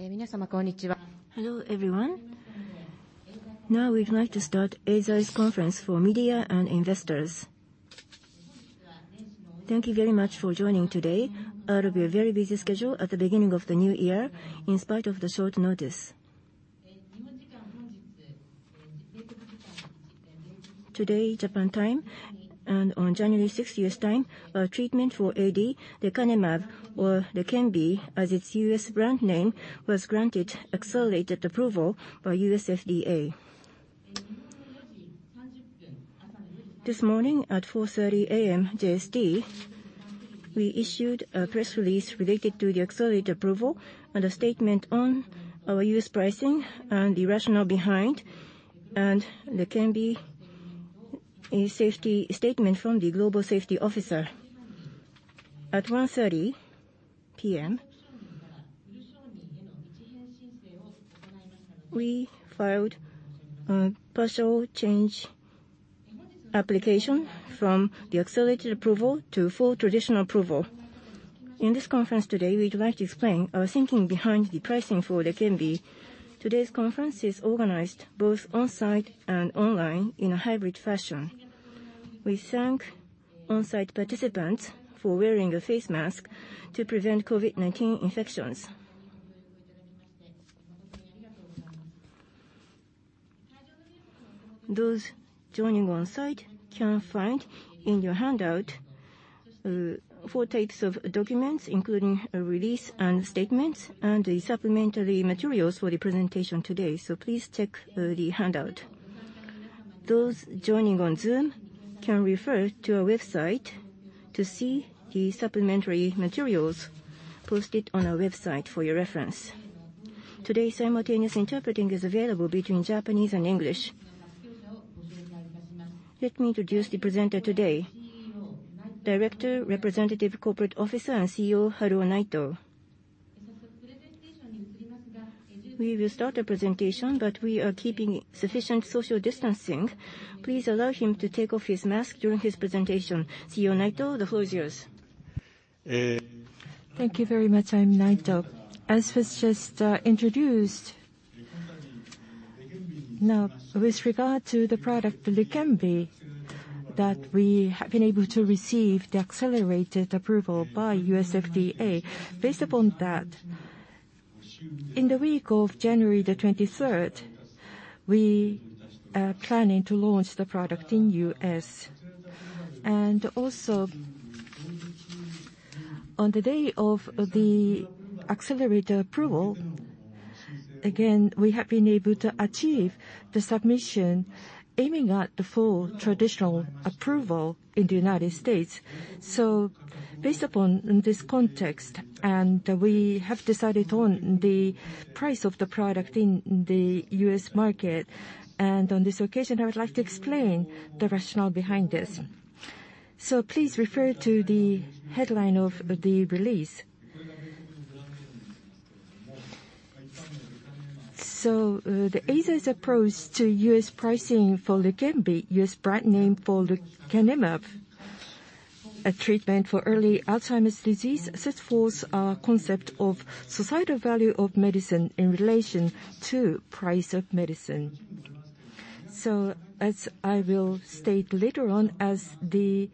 Hello, everyone. Now we'd like to start Eisai's conference for media and investors. Thank you very much for joining today out of your very busy schedule at the beginning of the new year, in spite of the short notice. On January 6th, U.S. time, our treatment for AD, lecanemab, or LEQEMBI as its U.S. brand name, was granted accelerated approval by U.S. FDA. This morning at 4:30 A.M. JST, we issued a press release related to the accelerated approval and a statement on our U.S. pricing and the rationale behind, and LEQEMBI, a safety statement from the Global Safety Officer. At 1:30 P.M., we filed a partial change application from the accelerated approval to full traditional approval. In this conference today, we'd like to explain our thinking behind the pricing for LEQEMBI. Today's conference is organized both on-site and online in a hybrid fashion. We thank on-site participants for wearing a face mask to prevent COVID-19 infections. Those joining on-site can find in your handout, four types of documents, including a release and statements, and the supplementary materials for the presentation today. Please check the handout. Those joining on Zoom can refer to our website to see the supplementary materials posted on our website for your reference. Today, simultaneous interpreting is available between Japanese and English. Let me introduce the presenter today, Director, Representative Corporate Officer, and CEO, Haruo Naito. We will start the presentation, but we are keeping sufficient social distancing. Please allow him to take off his mask during his presentation. CEO Naito, the floor is yours. Thank you very much. I'm Naito. As was just introduced, now with regard to the product, LEQEMBI, that we have been able to receive the accelerated approval by U.S. FDA. Based upon that, in the week of January 23rd, we are planning to launch the product in U.S. On the day of the accelerated approval, again, we have been able to achieve the submission aiming at the full traditional approval in the United States. Based upon this context, we have decided on the price of the product in the U.S. market. On this occasion, I would like to explain the rationale behind this. Please refer to the headline of the release. The Eisai's approach to U.S. pricing for LEQEMBI, U.S. brand name for lecanemab, a treatment for early Alzheimer's disease, sets forth our concept of societal value of medicine in relation to price of medicine. As I will state later on, as the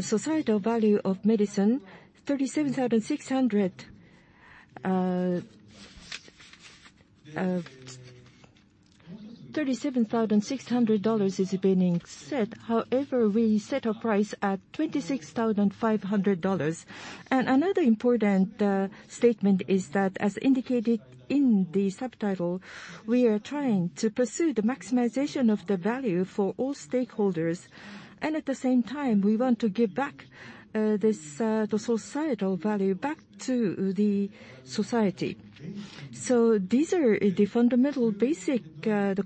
societal value of medicine, $37,600 is being set. However, we set our price at $26,500. Another important statement is that as indicated in the subtitle, we are trying to pursue the maximization of the value for all stakeholders. At the same time, we want to give back this societal value back to the society. These are the fundamental basic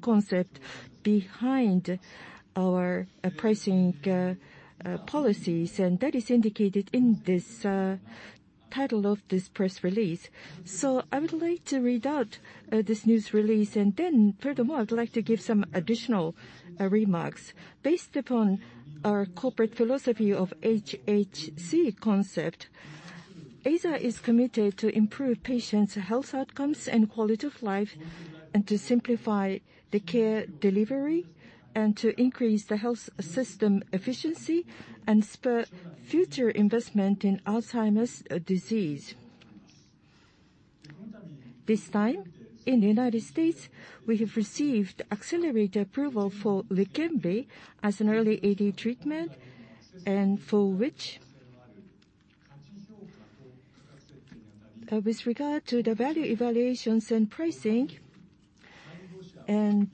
concept behind our pricing policies, and that is indicated in this title of this press release. I would like to read out this news release. Furthermore, I'd like to give some additional remarks. Based upon our corporate philosophy of HHC concept, Eisai is committed to improve patients' health outcomes and quality of life and to simplify the care delivery and to increase the health system efficiency and spur future investment in Alzheimer's disease. This time, in the United States, we have received accelerated approval for LEQEMBI as an early AD treatment, and for which, with regard to the value evaluations and pricing, and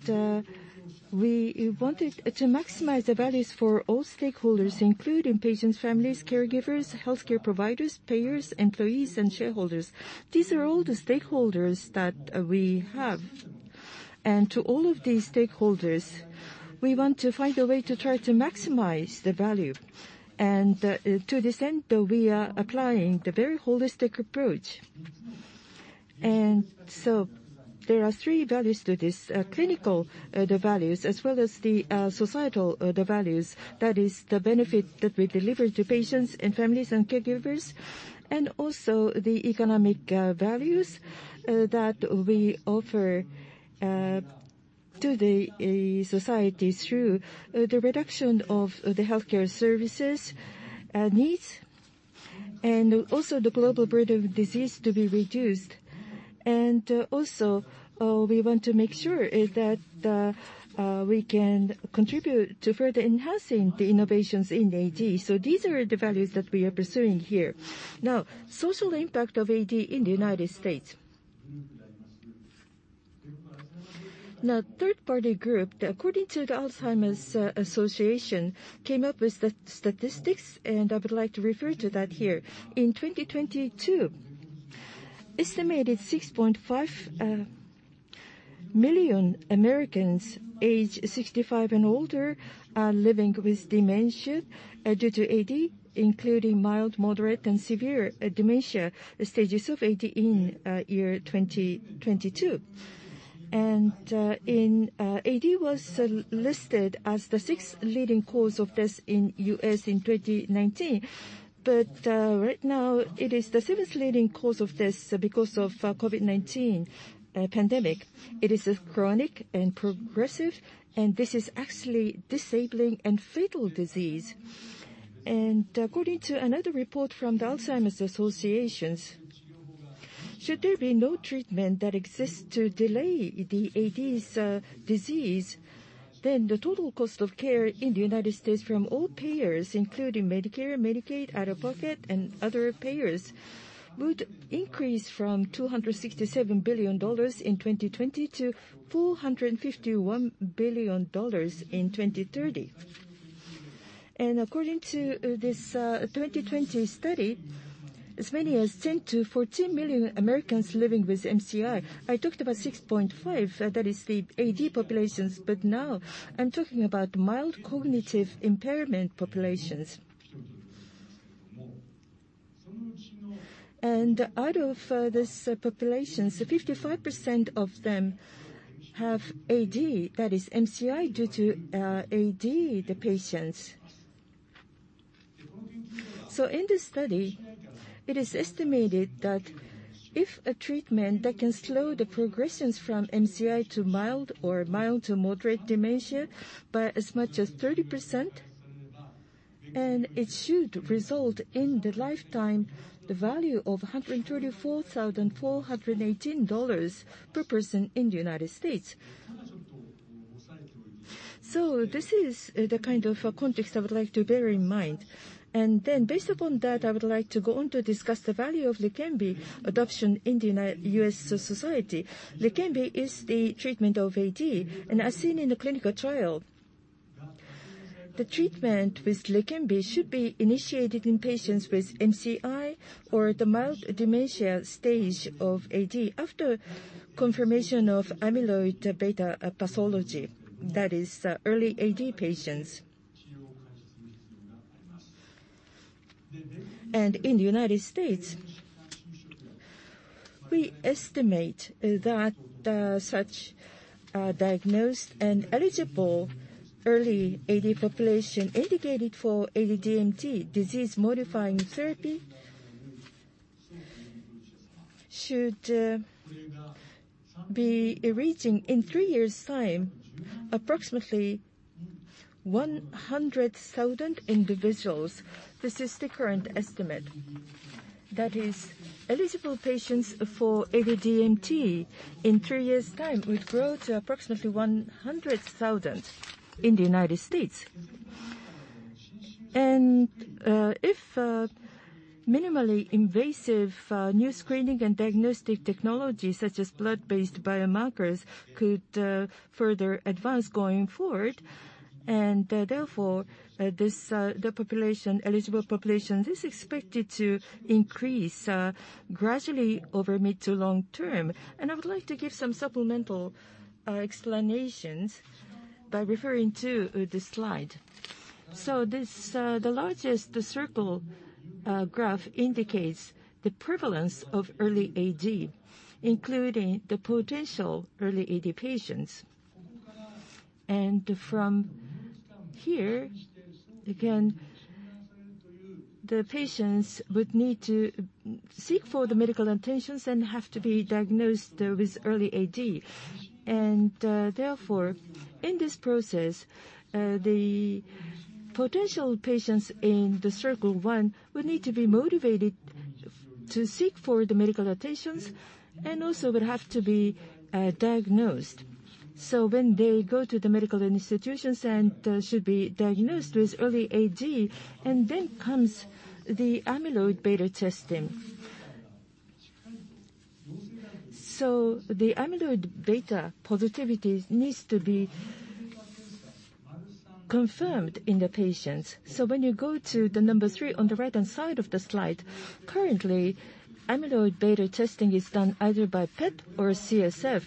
we wanted to maximize the values for all stakeholders, including patients, families, caregivers, healthcare providers, payers, employees, and shareholders. These are all the stakeholders that we have. To all of these stakeholders, we want to find a way to try to maximize the value. To this end, we are applying the very holistic approach. There are three values to this. Clinical, the values, as well as the societal, the values. That is the benefit that we deliver to patients and families and caregivers. Also the economic values that we offer to the society through the reduction of the healthcare services needs, and also the global burden of disease to be reduced. Also, we want to make sure is that we can contribute to further enhancing the innovations in AD. These are the values that we are pursuing here. Social impact of AD in the United States. Third-party group, according to the Alzheimer's Association, came up with the statistics, and I would like to refer to that here. In 2022, estimated 6.5 million Americans age 65 and older are living with dementia due to AD, including mild, moderate, and severe dementia stages of AD in year 2022. AD was listed as the sixth leading cause of death in U.S. in 2019. Right now it is the 7th leading cause of death because of COVID-19 pandemic. It is a chronic and progressive, and this is actually disabling and fatal disease. According to another report from the Alzheimer's Association, should there be no treatment that exists to delay the AD's disease, then the total cost of care in the United States from all payers, including Medicare, Medicaid, out-of-pocket, and other payers, would increase from $267 billion in 2020 to $451 billion in 2030. According to this 2020 study, as many as 10-14 million Americans living with MCI. I talked about 6.5, that is the AD populations, but now I'm talking about mild cognitive impairment populations. Out of this populations, 55% of them have AD, that is MCI due to AD, the patients. In this study, it is estimated that if a treatment that can slow the progressions from MCI to mild or mild to moderate dementia by as much as 30%, it should result in the lifetime the value of $134,418 per person in the United States. This is the kind of context I would like to bear in mind. Based upon that, I would like to go on to discuss the value of LEQEMBI adoption in the U.S. society. LEQEMBI is the treatment of AD, and as seen in the clinical trial, the treatment with LEQEMBI should be initiated in patients with MCI or the mild dementia stage of AD after confirmation of amyloid beta pathology, that is, early AD patients. In the United States, we estimate that such diagnosed and eligible early AD population indicated for AD-DMT, disease-modifying therapy, should be reaching in three years' time, approximately 100,000 individuals. This is the current estimate. That is eligible patients for AD-DMT in three years' time would grow to approximately 100,000 in the United States. If minimally invasive new screening and diagnostic technologies such as blood-based biomarkers could further advance going forward. Therefore, this the population, eligible population is expected to increase gradually over mid to long term. I would like to give some supplemental explanations by referring to this slide. This the largest circle graph indicates the prevalence of early AD, including the potential early AD patients. From here, again, the patients would need to seek for the medical attentions and have to be diagnosed with early AD. Therefore, in this process, the potential patients in the circle one would need to be motivated to seek for the medical attentions and also would have to be diagnosed. When they go to the medical institutions and should be diagnosed with early AD, and then comes the amyloid beta testing. The amyloid beta positivity needs to be confirmed in the patients. When you go to the number three on the right-hand side of the slide, currently amyloid beta testing is done either by PET or CSF.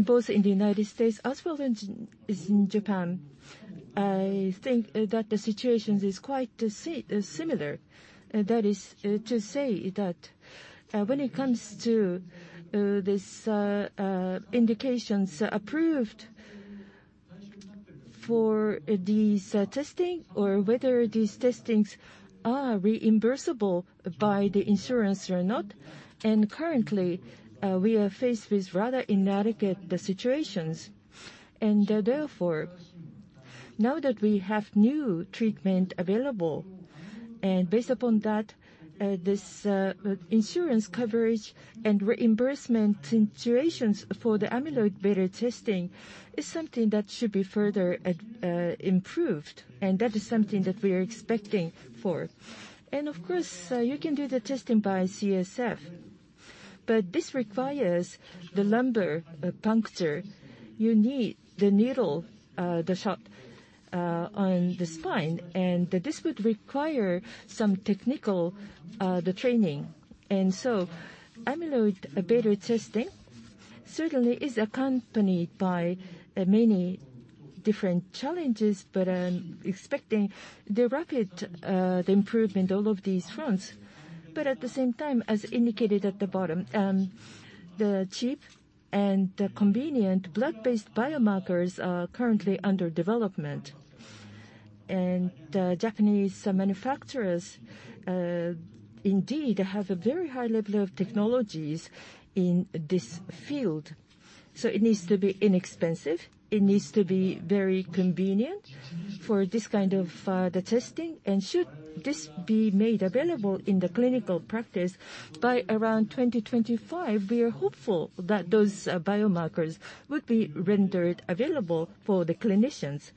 Both in the United States as well as in Japan, I think that the situation is quite similar. That is to say that, when it comes to, this, indications approved for these testing or whether these testings are reimbursable by the insurance or not. Currently, we are faced with rather inadequate situations. Therefore, now that we have new treatment available, and based upon that, this, insurance coverage and reimbursement situations for the amyloid beta testing is something that should be further, improved, and that is something that we are expecting for. Of course, you can do the testing by CSF, but this requires the lumbar puncture. You need the needle, the shot, on the spine, and this would require some technical, training. So amyloid beta testing certainly is accompanied by many different challenges, but I'm expecting the rapid, the improvement all of these fronts. At the same time, as indicated at the bottom, the cheap and convenient blood-based biomarkers are currently under development. The Japanese manufacturers indeed have a very high level of technologies in this field. It needs to be inexpensive. It needs to be very convenient for this kind of the testing. Should this be made available in the clinical practice by around 2025, we are hopeful that those biomarkers would be rendered available for the clinicians.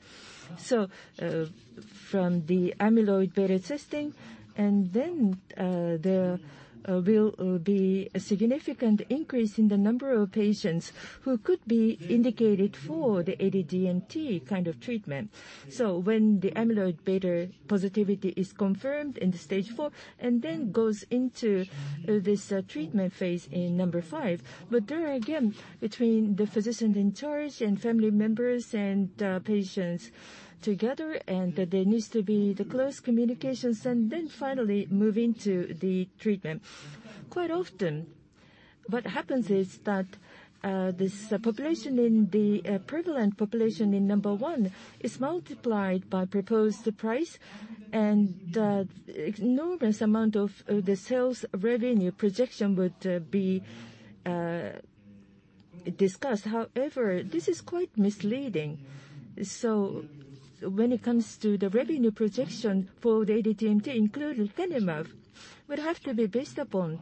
From the amyloid beta testing, there will be a significant increase in the number of patients who could be indicated for the AD-DMT kind of treatment. When the amyloid beta positivity is confirmed in the stage four and goes into this treatment phase in number five. There again, between the physicians in charge and family members and patients together, there needs to be the close communications and then finally move into the treatment. Quite often, what happens is that this population in the prevalent population in number one is multiplied by proposed price and the enormous amount of the sales revenue projection would be discussed. However, this is quite misleading. When it comes to the revenue projection for the AD-DMT, including lecanemab, would have to be based upon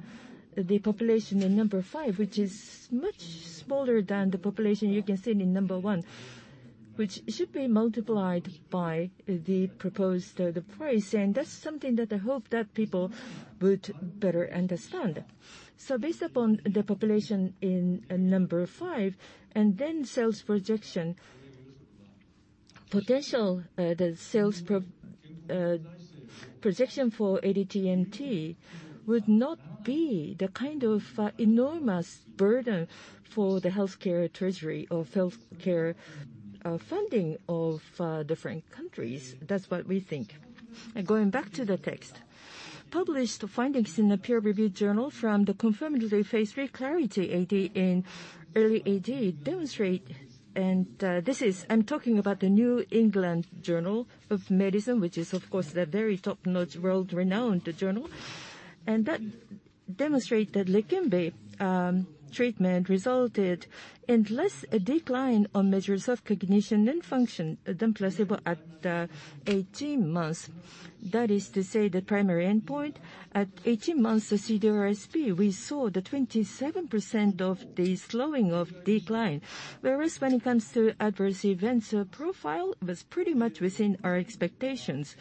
the population in number five, which is much smaller than the population you can see in number one, which should be multiplied by the proposed price. That's something that I hope that people would better understand. Based upon the population in number five and then sales projection, potential sales projection for AD-DMT would not be the kind of enormous burden for the healthcare treasury or healthcare funding of different countries. That's what we think. Going back to the text. Published findings in the peer review journal from the confirmatory phase III Clarity AD in early AD demonstrate. This is, I'm talking about The New England Journal of Medicine, which is, of course, the very top-notch world-renowned journal. That demonstrate that LEQEMBI treatment resulted in less decline on measures of cognition and function than placebo at 18 months. That is to say the primary endpoint. At 18 months of CDR-SB, we saw the 27% of the slowing of decline. When it comes to adverse events profile was pretty much within our expectations.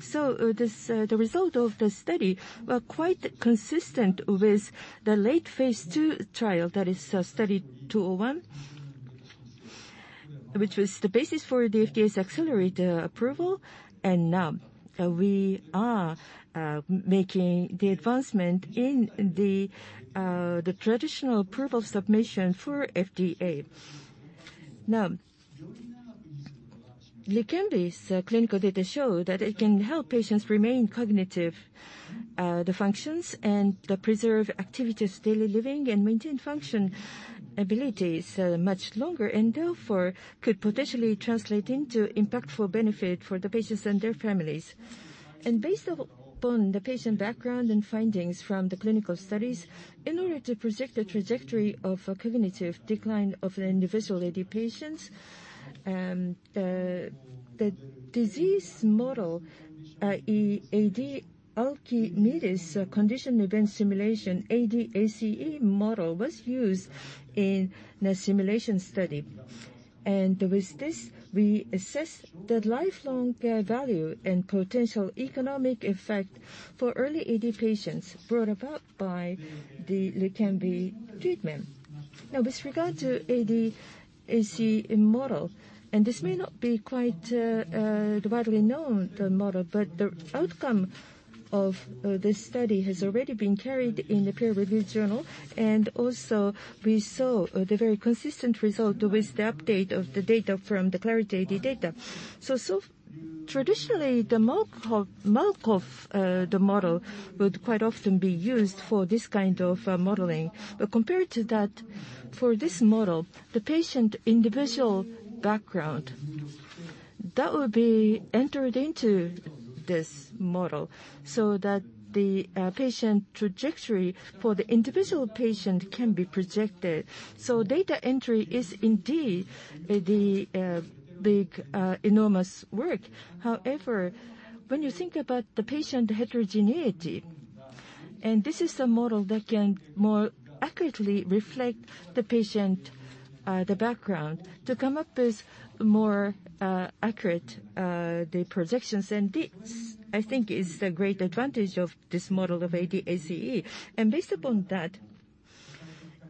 This, the result of the study were quite consistent with the late phase II trial, that is Study 201, which was the basis for the FDA's accelerated approval. Now we are making the advancement in the traditional approval submission for FDA. Now, LEQEMBI's clinical data show that it can help patients remain cognitive functions and preserve activities of daily living and maintain function abilities much longer, and therefore, could potentially translate into impactful benefit for the patients and their families. Based upon the patient background and findings from the clinical studies, in order to project the trajectory of cognitive decline of individual AD patients, the disease model, AD Archimedes Condition Event Simulation, AD-ACE model, was used in the simulation study. With this, we assess the lifelong care value and potential economic effect for early AD patients brought about by the LEQEMBI treatment. With regard to AD is the model. This may not be quite widely known, the model, but the outcome of this study has already been carried in a peer review journal. Also we saw the very consistent result with the update of the data from the Clarity AD data. Traditionally, the Markov model would quite often be used for this kind of modeling. Compared to that, for this model, the patient individual background, that would be entered into this model so that the patient trajectory for the individual patient can be projected. Data entry is indeed the enormous work. However, when you think about the patient heterogeneity, and this is the model that can more accurately reflect the patient, the background to come up with more accurate, the projections. This, I think is a great advantage of this model of AD-ACE. Based upon that,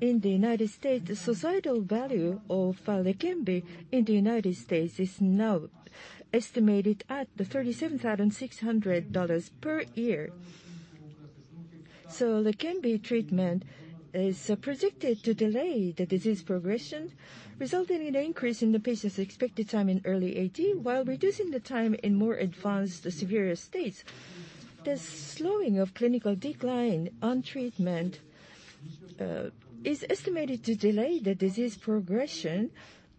in the United States, the societal value of LEQEMBI in the United States is now estimated at the $37,600 per year. LEQEMBI treatment is predicted to delay the disease progression, resulting in an increase in the patient's expected time in early AD, while reducing the time in more advanced severities. The slowing of clinical decline on treatment is estimated to delay the disease progression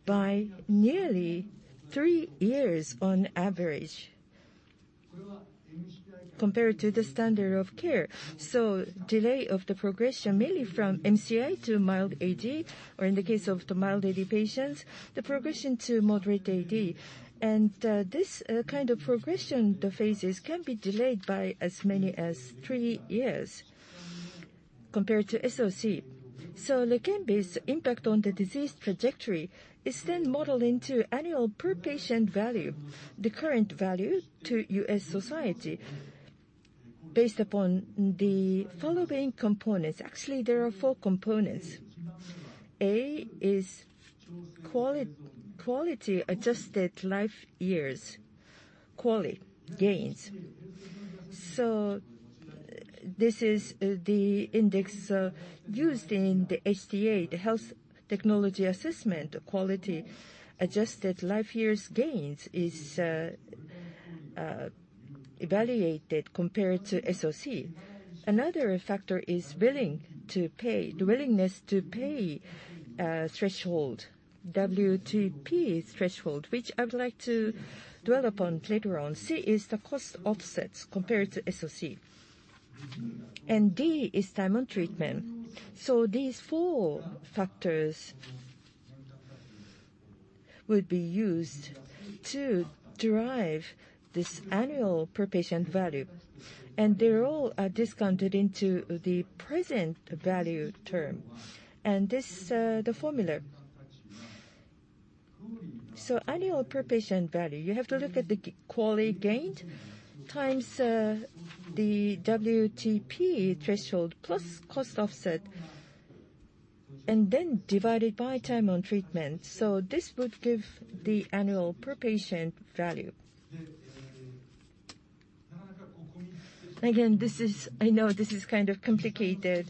by nearly three years on average compared to the standard of care. Delay of the progression mainly from MCI to mild AD, or in the case of the mild AD patients, the progression to moderate AD. This kind of progression, the phases can be delayed by as many as three years compared to SOC. LEQEMBI's impact on the disease trajectory is then modeled into annual per patient value. The current value to U.S. society based upon the following components. Actually, there are four components. A is quality adjusted life years. QALY gains. This is the index used in the HDA, the Health Technology Assessment. Quality adjusted life years gains is evaluated compared to SOC. Another factor is willing to pay. The willingness to pay threshold. WTP threshold, which I would like to dwell upon later on. C is the cost offsets compared to SOC. D is time on treatment. These four factors would be used to derive this annual per patient value, and they all are discounted into the present value term. This, the formula. Annual per patient value, you have to look at the QALY gained times the WTP threshold plus cost offset and then divide it by time on treatment. This would give the annual per patient value. Again, this is I know this is kind of complicated,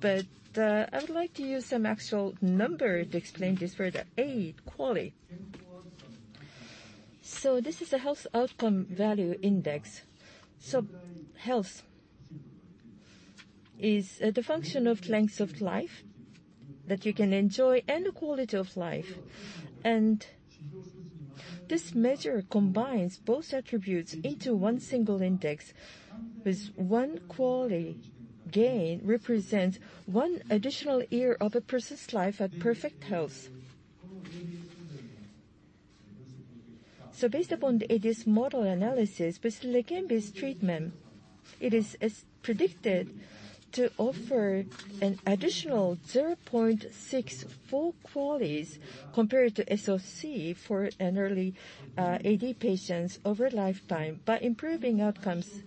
but I would like to use some actual numbers to explain this further. QALY. This is a health outcome value index. Health is the function of length of life that you can enjoy and the quality of life. This measure combines both attributes into one single index, with one QALY gain represents one additional year of a person's life at perfect health. Based upon the AD-ACE model analysis, with LEQEMBI's treatment, it is as predicted to offer an additional 0.64 QALYs compared to SOC for an early AD patients over lifetime, by improving outcomes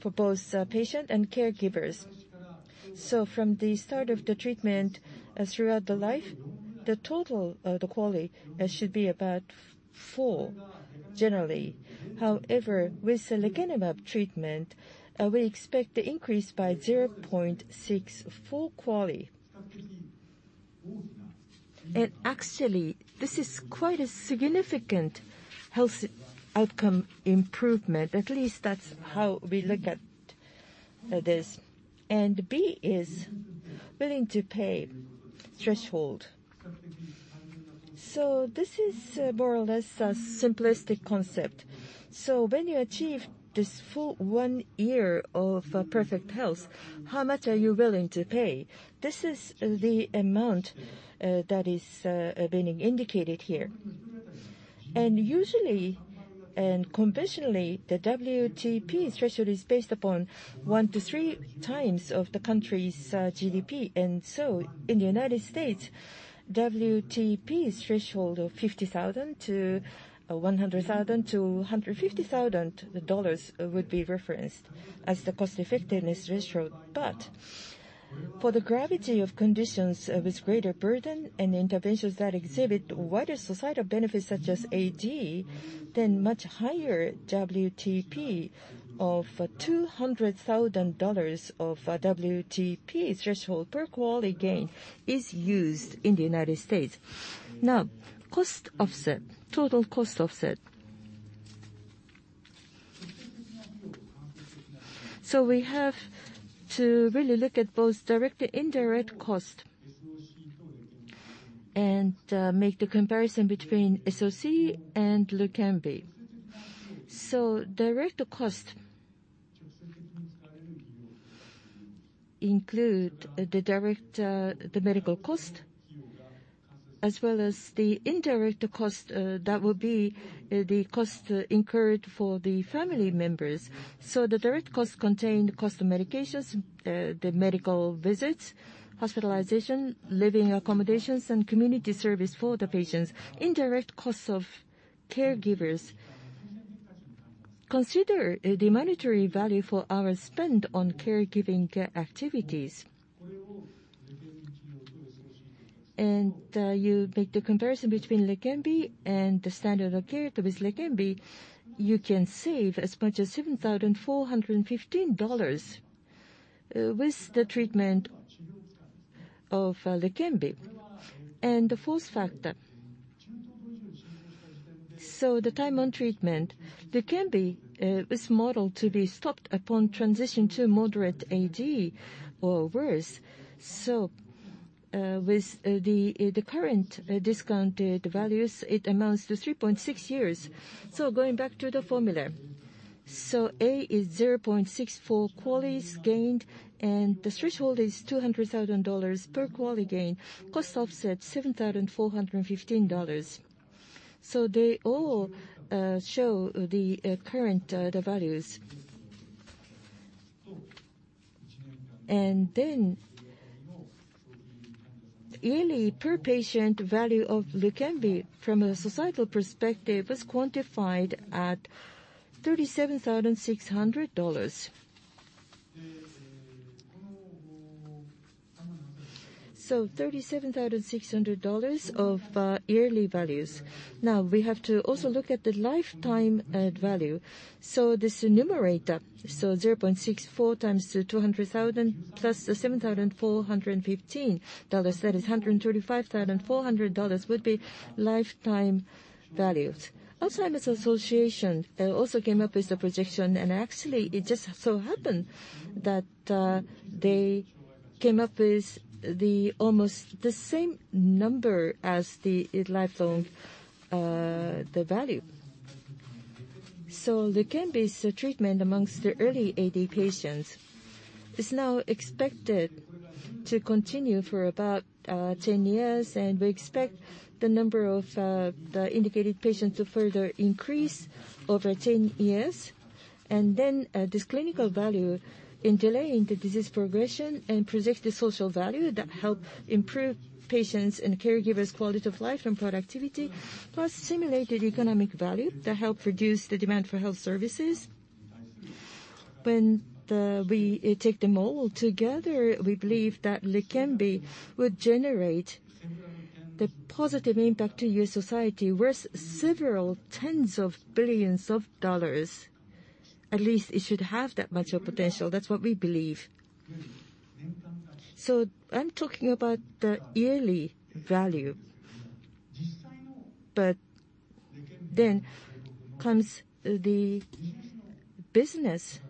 for both patient and caregivers. From the start of the treatment, throughout the life, the total QALY should be about four, generally. However, with the lecanemab treatment, we expect the increase by 0.64 QALY. Actually, this is quite a significant health outcome improvement. At least that's how we look at this. B is willing to pay threshold. This is more or less a simplistic concept. When you achieve this full one year of perfect health, how much are you willing to pay? This is the amount that is being indicated here. Usually, and conventionally, the WTP threshold is based upon one to three times of the country's GDP. In the United States, WTP's threshold of $50,000 to $100,000 to $150,000 would be referenced as the cost effectiveness threshold. For the gravity of conditions with greater burden and interventions that exhibit wider societal benefits such as AD, then much higher WTP of $200,000 of WTP threshold per quality gain is used in the United States. Now, cost offset, total cost offset. We have to really look at both direct and indirect cost and make the comparison between SOC and LEQEMBI. Direct cost include the medical cost as well as the indirect cost that would be the cost incurred for the family members. The direct cost contain the cost of medications, the medical visits, hospitalization, living accommodations, and community service for the patients. Indirect costs of caregivers consider the monetary value for hours spent on caregiving activities. You make the comparison between LEQEMBI and the standard of care. With LEQEMBI, you can save as much as $7,415 with the treatment of LEQEMBI. The fourth factor. The time on treatment. LEQEMBI was modeled to be stopped upon transition to moderate AD or worse. With the current discounted values, it amounts to 3.6 years. Going back to the formula. A is 0.64 QALYs gained and the threshold is $200,000 per QALY gain. Cost offset, $7,415. They all show the current values. Yearly per patient value of LEQEMBI from a societal perspective was quantified at $37,600. $37,600 of yearly values. Now, we have to also look at the lifetime value. This numerator, 0.64 times the $200,000 plus the $7,415, that is $135,400 would be lifetime values. Alzheimer's Association also came up with the projection. Actually, it just so happened that they came up with the almost the same number as the lifelong value. LEQEMBI's treatment amongst the early AD patients is now expected to continue for about 10 years, and we expect the number of the indicated patients to further increase over 10 years. This clinical value in delaying the disease progression and projected social value that help improve patients' and caregivers' quality of life and productivity, plus simulated economic value that help reduce the demand for health services. When we take them all together, we believe that LEQEMBI would generate the positive impact to U.S. society worth several tens of billions of dollars. At least it should have that much of potential. That's what we believe. I'm talking about the yearly value. comes the business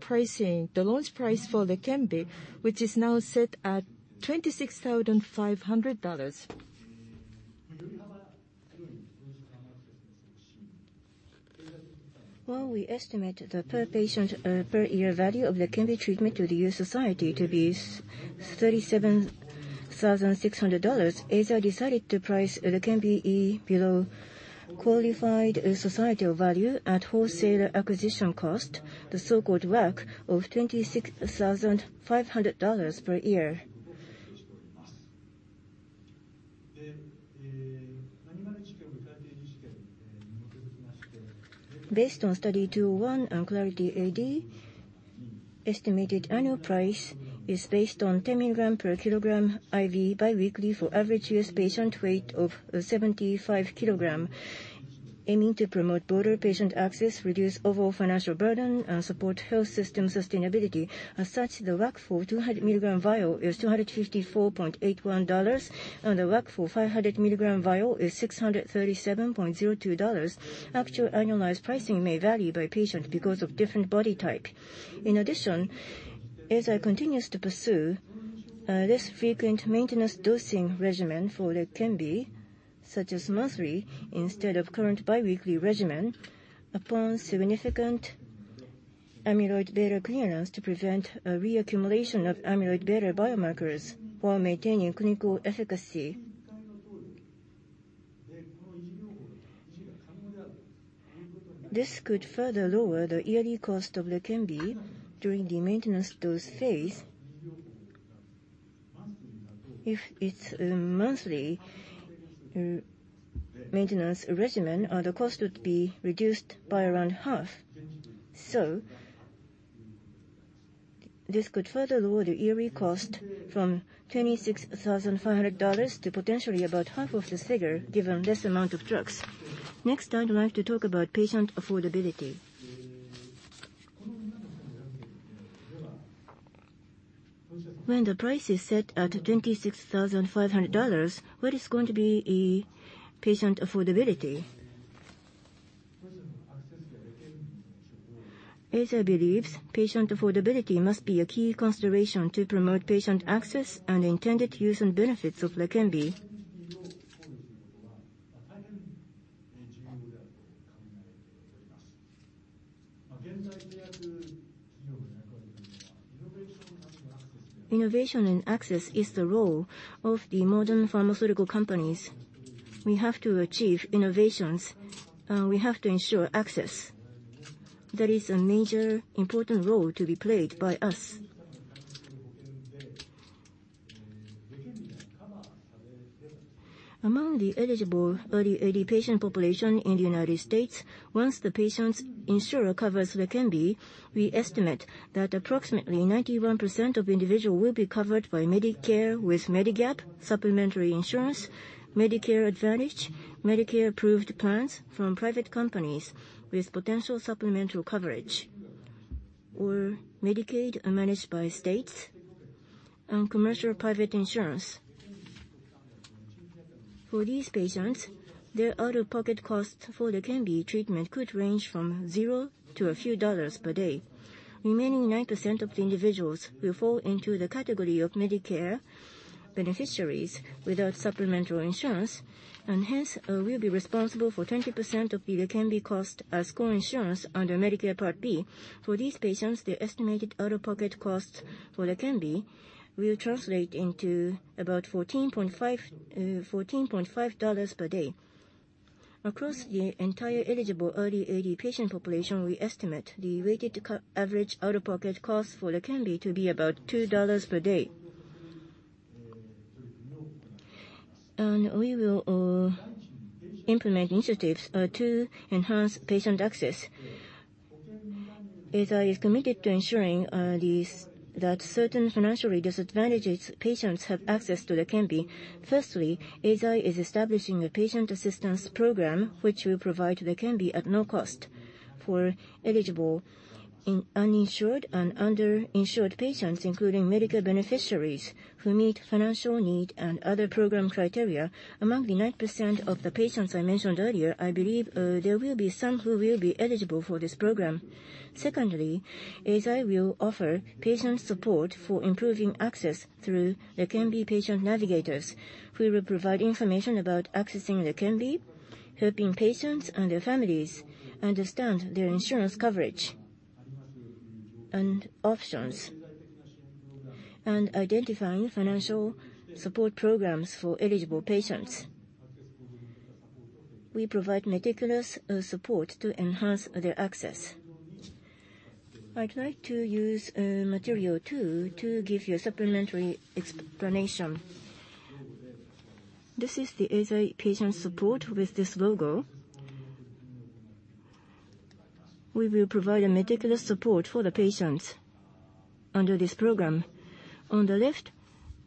pricing, the launch price for LEQEMBI, which is now set at $26,500. While we estimate the per patient, per year value of LEQEMBI treatment to the U.S. society to be $37,600, Eisai decided to price LEQEMBI below qualified societal value at wholesaler acquisition cost, the so-called WAC, of $26,500 per year. Based on Study 201 and Clarity AD, estimated annual price is based on 10 mg/kg IV bi-weekly for average U.S. patient weight of 75 kg, aiming to promote broader patient access, reduce overall financial burden, and support health system sustainability. As such, the WAC for 200 milligram vial is $254.81, and the WAC for 500 milligram vial is $637.02. Actual annualized pricing may vary by patient because of different body type. In addition, Eisai continues to pursue less frequent maintenance dosing regimen for LEQEMBI, such as monthly instead of current bi-weekly regimen, upon significant amyloid beta clearance to prevent a reaccumulation of amyloid beta biomarkers while maintaining clinical efficacy. This could further lower the yearly cost of LEQEMBI during the maintenance dose phase. If it's a monthly maintenance regimen, the cost would be reduced by around half. This could further lower the yearly cost from $26,500 to potentially about half of this figure given less amount of drugs. I'd like to talk about patient affordability. When the price is set at $26,500, what is going to be a patient affordability? Eisai believes patient affordability must be a key consideration to promote patient access and intended use and benefits of LEQEMBI. Innovation and access is the role of the modern pharmaceutical companies. We have to achieve innovations. We have to ensure access. That is a major important role to be played by us. Among the eligible early AD patient population in the United States, once the patient's insurer covers LEQEMBI, we estimate that approximately 91% of individual will be covered by Medicare with Medigap supplementary insurance, Medicare Advantage, Medicare-approved plans from private companies with potential supplemental coverage, or Medicaid are managed by states and commercial private insurance. For these patients, their out-of-pocket costs for LEQEMBI treatment could range from zero to a few dollars per day. Remaining 9% of the individuals will fall into the category of Medicare beneficiaries without supplemental insurance, and hence, will be responsible for 20% of the LEQEMBI cost as co-insurance under Medicare Part B. For these patients, the estimated out-of-pocket costs for LEQEMBI will translate into about $14.5 per day. Across the entire eligible early AD patient population, we estimate the weighted co- average out-of-pocket costs for LEQEMBI to be about $2 per day. We will implement initiatives to enhance patient access. Eisai is committed to ensuring these, that certain financially disadvantaged patients have access to LEQEMBI. Firstly, Eisai is establishing a patient assistance program which will provide LEQEMBI at no cost for eligible uninsured and under-insured patients, including Medicare beneficiaries who meet financial need and other program criteria. Among the 9% of the patients I mentioned earlier, I believe there will be some who will be eligible for this program. Secondly, Eisai will offer patient support for improving access through LEQEMBI patient navigators who will provide information about accessing LEQEMBI, helping patients and their families understand their insurance coverage and options, and identifying financial support programs for eligible patients. We provide meticulous support to enhance their access. I'd like to use material two to give you a supplementary explanation. This is the Eisai patient support with this logo. We will provide a meticulous support for the patients under this program. On the left,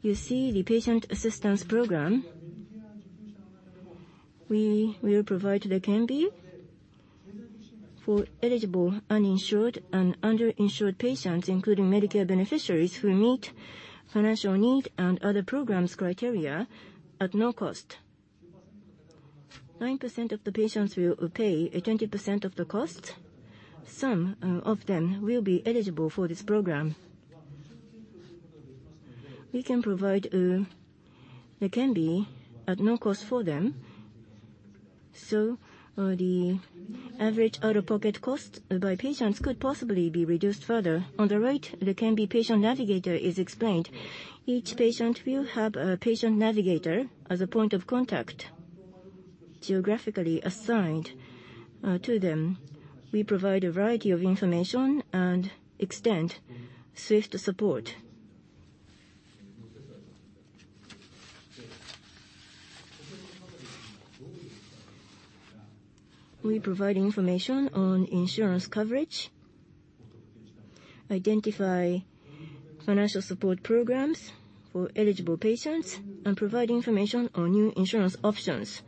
you see the patient assistance program. We will provide LEQEMBI for eligible uninsured and under-insured patients, including Medicare beneficiaries who meet financial need and other programs criteria at no cost. 9% of the patients will pay a 20% of the cost. Some of them will be eligible for this program. We can provide LEQEMBI at no cost for them. The average out-of-pocket cost by patients could possibly be reduced further. On the right, LEQEMBI patient navigator is explained. Each patient will have a patient navigator as a point of contact geographically assigned to them. We provide a variety of information and extend swift support. We provide information on insurance coverage, identify financial support programs for eligible patients, and provide information on new insurance options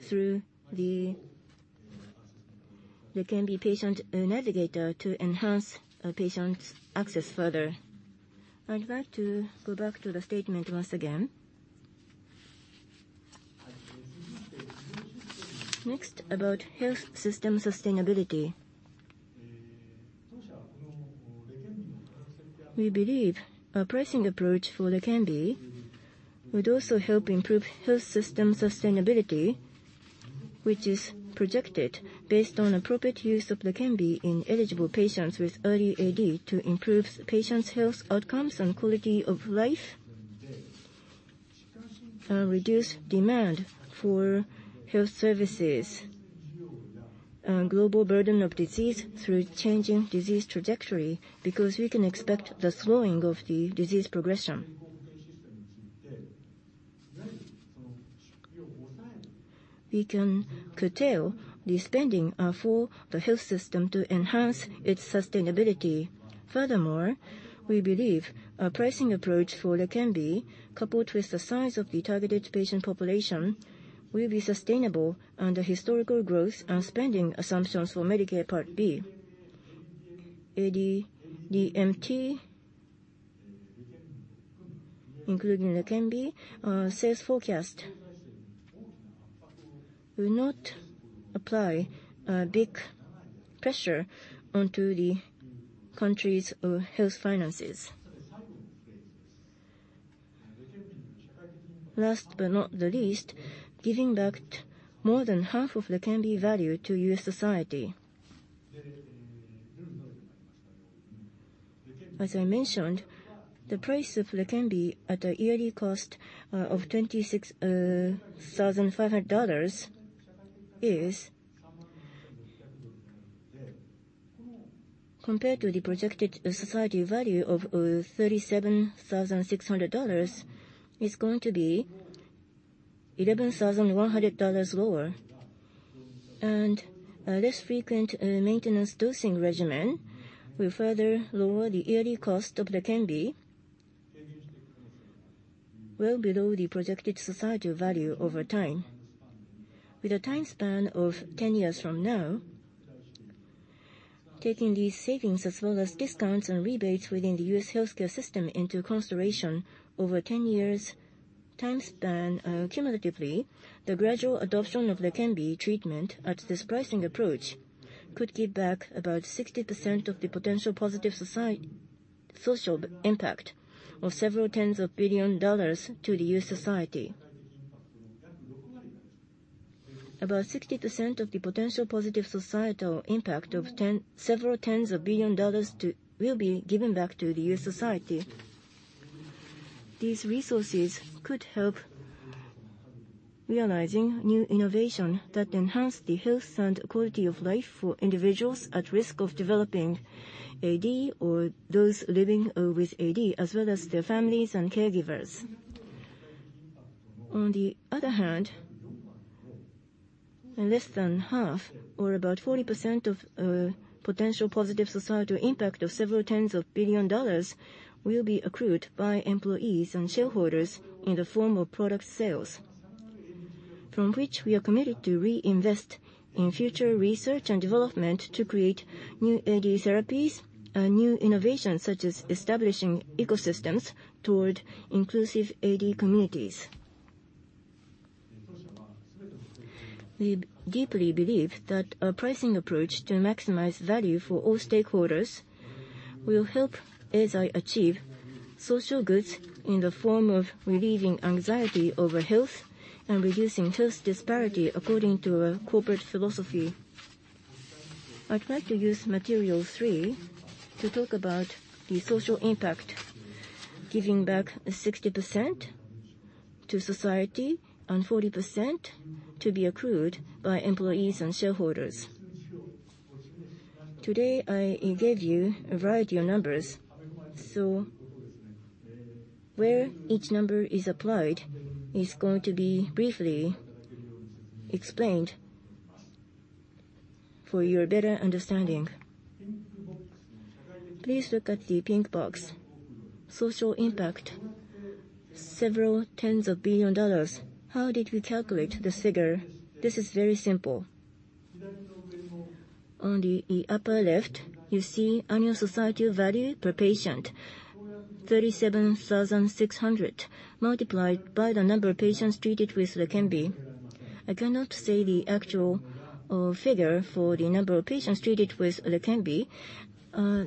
through the LEQEMBI patient navigator to enhance a patient's access further. I'd like to go back to the statement once again. Next, about health system sustainability. We believe our pricing approach for LEQEMBI would also help improve health system sustainability, which is projected based on appropriate use of LEQEMBI in eligible patients with early AD to improve patient's health outcomes and quality of life, reduce demand for health services. Global burden of disease through changing disease trajectory, because we can expect the slowing of the disease progression. We can curtail the spending for the health system to enhance its sustainability. Furthermore, we believe our pricing approach for LEQEMBI, coupled with the size of the targeted patient population, will be sustainable under historical growth and spending assumptions for Medicare Part B. ADMT, including LEQEMBI, sales forecast will not apply a big pressure onto the country's health finances. Last but not the least, giving back more than half of LEQEMBI value to U.S. society. As I mentioned, the price of LEQEMBI at a yearly cost of $26,500 compared to the projected society value of $37,600, is going to be $11,100 lower. A less frequent maintenance dosing regimen will further lower the yearly cost of LEQEMBI well below the projected societal value over time. With a time span of 10 years from now, taking these savings as well as discounts and rebates within the U.S. healthcare system into consideration over 10 years' time span, cumulatively, the gradual adoption of LEQEMBI treatment at this pricing approach could give back about 60% of the potential positive social impact of several tens of billion dollars to the U.S. society. About 60% of the potential positive societal impact of several tens of billion dollars will be given back to the U.S. society. These resources could help realizing new innovation that enhance the health and quality of life for individuals at risk of developing AD or those living with AD, as well as their families and caregivers. Less than half or about 40% of potential positive societal impact of several tens of billion dollars will be accrued by employees and shareholders in the form of product sales. From which we are committed to reinvest in future research and development to create new AD therapies and new innovations, such as establishing ecosystems toward inclusive AD communities. We deeply believe that our pricing approach to maximize value for all stakeholders will help Eisai achieve social goods in the form of relieving anxiety over health and reducing health disparity according to our corporate philosophy. I'd like to use material three to talk about the social impact, giving back 60% to society and 40% to be accrued by employees and shareholders. Today, I gave you a variety of numbers. Where each number is applied is going to be briefly explained for your better understanding. Please look at the pink box. Social impact, several tens of billion dollars. How did we calculate this figure? This is very simple. On the upper left, you see annual societal value per patient, $37,600, multiplied by the number of patients treated with LEQEMBI. I cannot say the actual figure for the number of patients treated with LEQEMBI.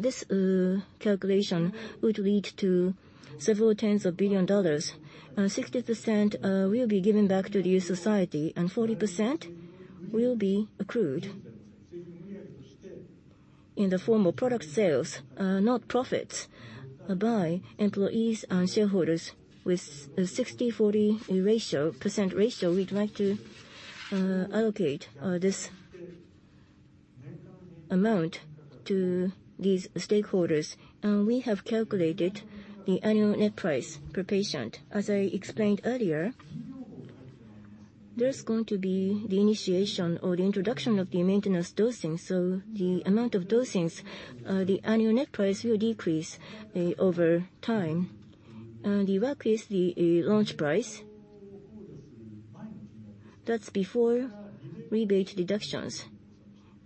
This calculation would lead to several tens of billion dollars. 60% will be given back to the U.S. society, and 40% will be accrued in the form of product sales, not profits, by employees and shareholders with a 60/40 ratio, percent ratio. We'd like to allocate this amount to these stakeholders. We have calculated the annual net price per patient. As I explained earlier, there's going to be the initiation or the introduction of the maintenance dosing, so the amount of dosings, the annual net price will decrease over time. The WAC is the launch price. That's before rebate deductions.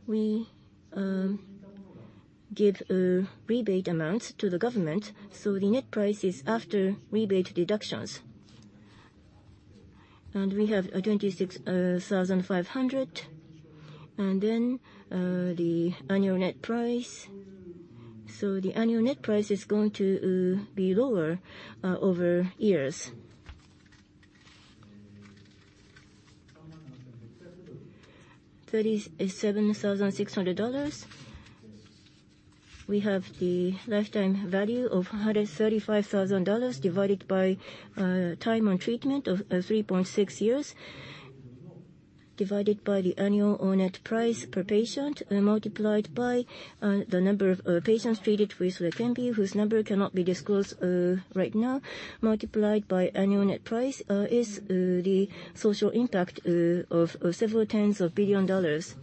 We give rebate amounts to the government, so the net price is after rebate deductions. We have $26,500, and then the annual net price. The annual net price is going to be lower over years. We have the lifetime value of $135,000 divided by time on treatment of 3.6 years, divided by the annual net price per patient, and multiplied by the number of patients treated with LEQEMBI, whose number cannot be disclosed right now. Multiplied by annual net price, is the social impact of several tens of billion dollars,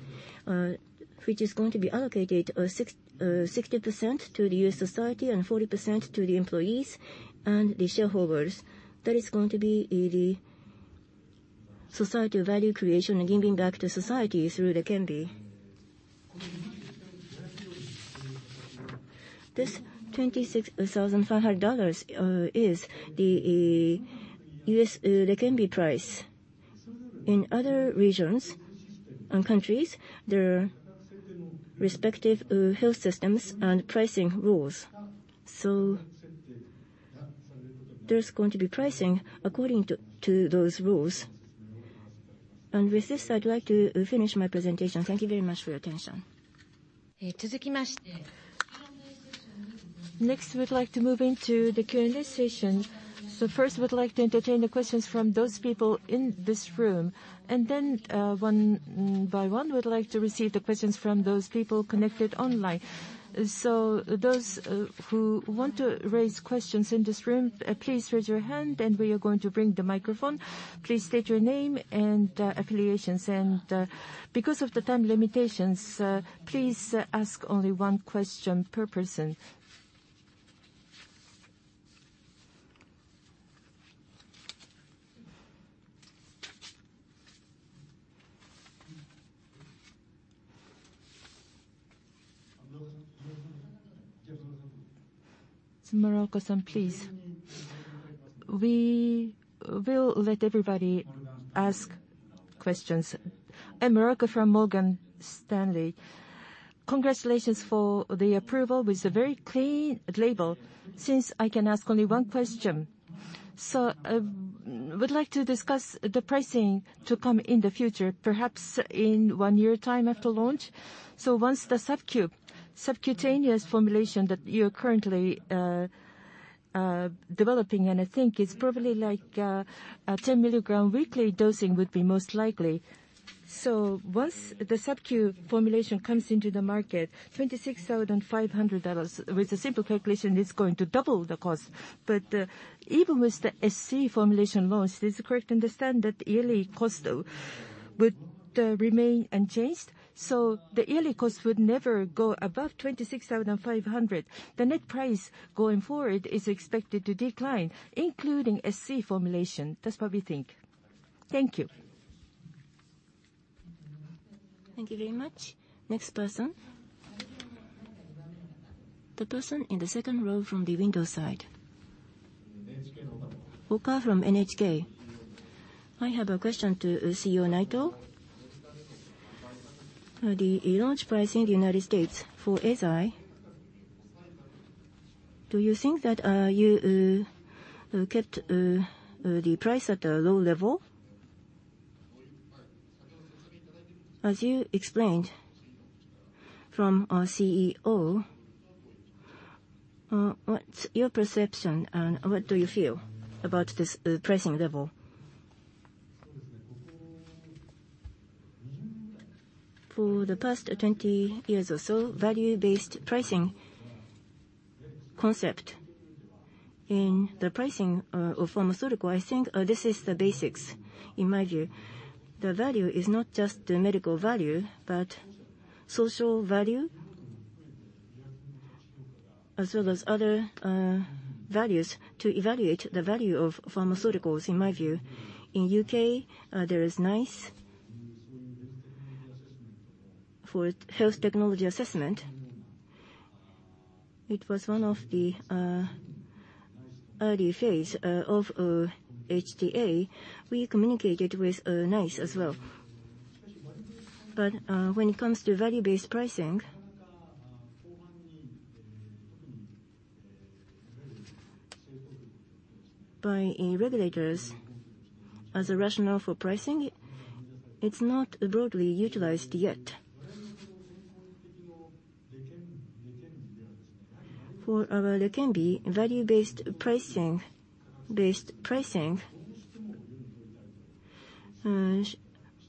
which is going to be allocated 60% to the U.S. society and 40% to the employees and the shareholders. That is going to be the societal value creation and giving back to society through LEQEMBI. This $26,500 is the U.S. LEQEMBI price. In other regions and countries, there are respective health systems and pricing rules. There's going to be pricing according to those rules. With this, I'd like to finish my presentation. Thank you very much for your attention. Next, we'd like to move into the Q&A session. First, we'd like to entertain the questions from those people in this room, and then, one by one, we'd like to receive the questions from those people connected online. Those who want to raise questions in this room, please raise your hand, and we are going to bring the microphone. Please state your name and affiliations. Because of the time limitations, please ask only one question per person. Muraoka-san, please. We will let everybody ask questions. Muraoka from Morgan Stanley. Congratulations for the approval with a very clean label. Since I can ask only one question, would like to discuss the pricing to come in the future, perhaps in one year time after launch. Once the subcutaneous formulation that you're currently developing, and I think it's probably like a 10 mg weekly dosing would be most likely. Once the SC formulation comes into the market, $26,500, with a simple calculation, it's going to double the cost. Even with the SC formulation launch, is it correct to understand that the yearly cost would remain unchanged? The yearly cost would never go above $26,500. The net price going forward is expected to decline, including SC formulation. That's what we think. Thank you. Thank you very much. Next person. The person in the second row from the window side. Oka from NHK. I have a question to CEO Naito. The launch price in the United States for Eisai, do you think that you kept the price at a low level? As you explained from our CEO, what's your perception and what do you feel about this pricing level? For the past 20 years or so, value-based pricing concept in the pricing of pharmaceutical, I think this is the basics in my view. The value is not just the medical value, but social value as well as other values to evaluate the value of pharmaceuticals in my view. In U.K., there is NICE for health technology assessment. It was one of the early phase of HDA. We communicated with NICE as well. When it comes to value-based pricing, by regulators as a rationale for pricing, it's not broadly utilized yet. For our LEQEMBI value-based pricing,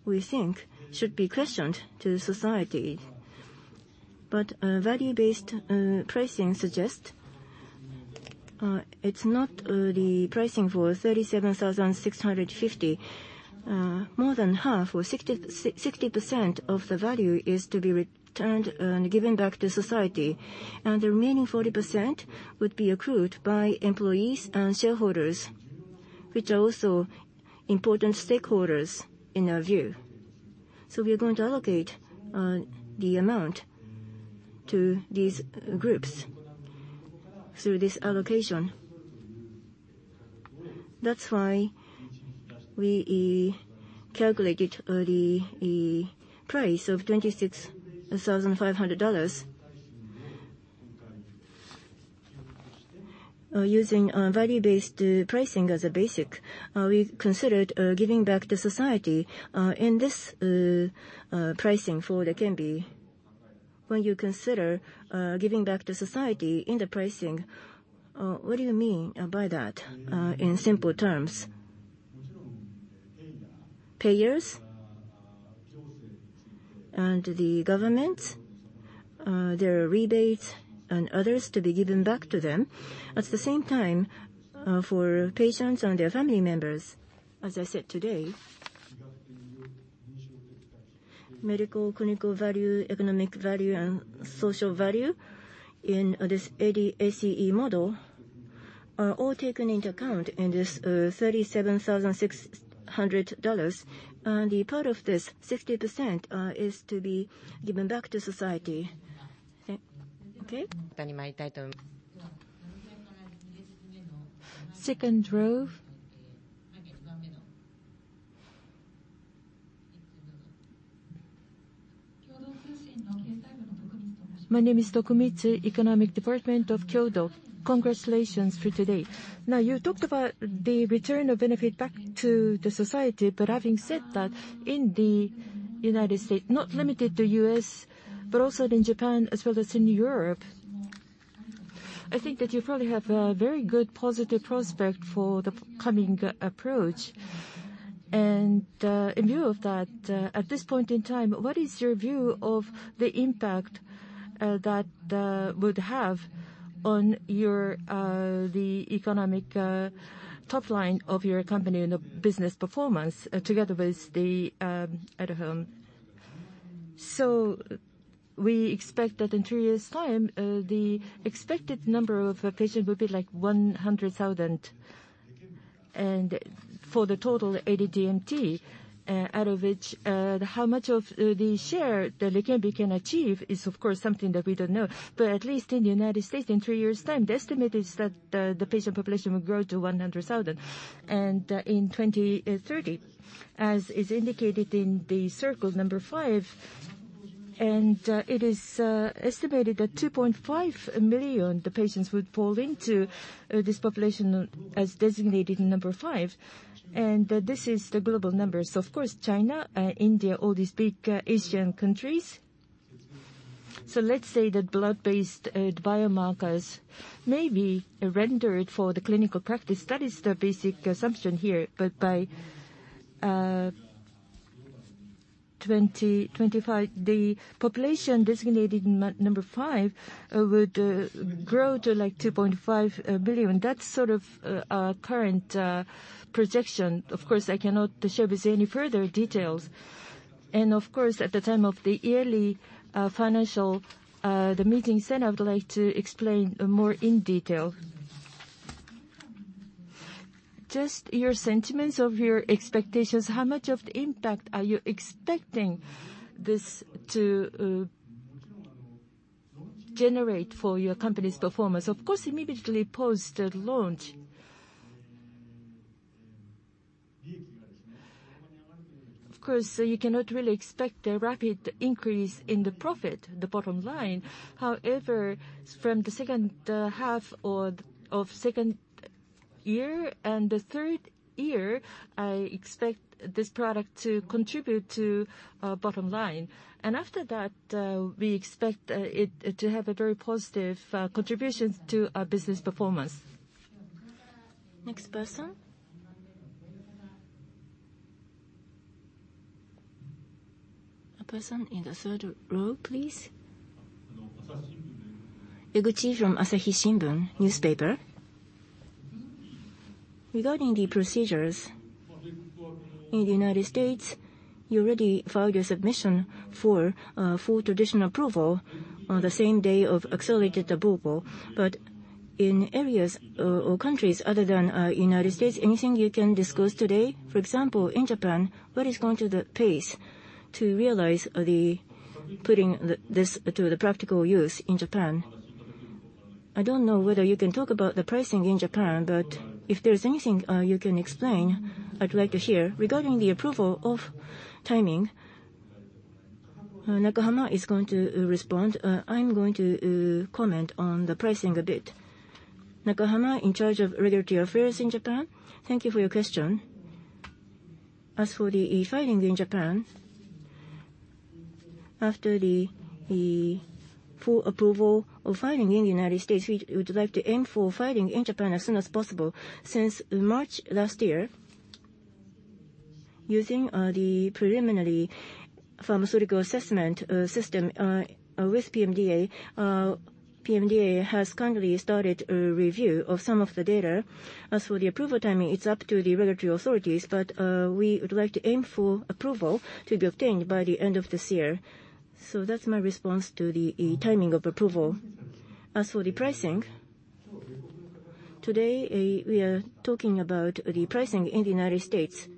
we think should be questioned to society. Value-based pricing suggests it's not the pricing for $37,650. More than half or 60% of the value is to be returned and given back to society. The remaining 40% would be accrued by employees and shareholders, which are also important stakeholders in our view. We are going to allocate the amount to these groups through this allocation. That's why we calculated the price of $26,500. Using value-based pricing as a basic, we considered giving back to society in this pricing for the LEQEMBI. When you consider giving back to society in the pricing, what do you mean by that in simple terms? Payers and the government, there are rebates and others to be given back to them. At the same time, for patients and their family members, as I said today, medical, clinical value, economic value and social value in this AD-ACE model are all taken into account in this $37,600. Part of this, 60%, is to be given back to society. Second row. My name is Tokumitsu, Economic Department of Kyodo. Congratulations for today. You talked about the return of benefit back to the society, but having said that, in the United States, not limited to U.S., but also in Japan as well as in Europe, I think that you probably have a very good positive prospect for the coming approach. In view of that, at this point in time, what is your view of the impact that would have on your the economic top line of your company and the business performance together with the ADUHELM? We expect that in three years' time, the expected number of patients will be like 100,000. For the total AD-DMT, out of which, how much of the share that LEQEMBI can achieve is of course something that we don't know. At least in United States in three years' time, the estimate is that the patient population will grow to 100,000. In 2030, as is indicated in the circle number five, it is estimated that 2.5 million, the patients would fall into this population as designated in number five. This is the global numbers. Of course, China, India, all these big Asian countries. Let's say that blood-based biomarkers may be rendered for the clinical practice. That is the basic assumption here. By 2025, the population designated number five would grow to like 2.5 billion. That's sort of our current projection. Of course, I cannot share with you any further details. Of course, at the time of the yearly financial meeting, I would like to explain more in detail. Just your sentiments of your expectations, how much of the impact are you expecting this to generate for your company's performance? Immediately post the launch. You cannot really expect a rapid increase in the profit, the bottom line. From the second half or second year and the third year, I expect this product to contribute to bottom line. After that, we expect it to have a very positive contributions to our business performance. Next person. A person in the third row, please. Yaguchi from The Asahi Shimbun Newspaper. Regarding the procedures in the United States, you already filed your submission for full traditional approval on the same day of accelerated approval. In areas or countries other than United States, anything you can discuss today? For example, in Japan, what is going to the pace to realize this to the practical use in Japan? I don't know whether you can talk about the pricing in Japan, but if there's anything you can explain, I'd like to hear. Regarding the approval of timing, Nakahama is going to respond. I'm going to comment on the pricing a bit. Nakahama in charge of Regulatory Affairs in Japan. Thank you for your question. As for the filing in Japan, after the full approval of filing in the U.S., we'd like to aim for filing in Japan as soon as possible. Since March last year, using the preliminary pharmaceutical assessment system with PMDA has kindly started a review of some of the data. As for the approval timing, it's up to the regulatory authorities, but we would like to aim for approval to be obtained by the end of this year. That's my response to the timing of approval. As for the pricing, today, we are talking about the pricing in the U.S.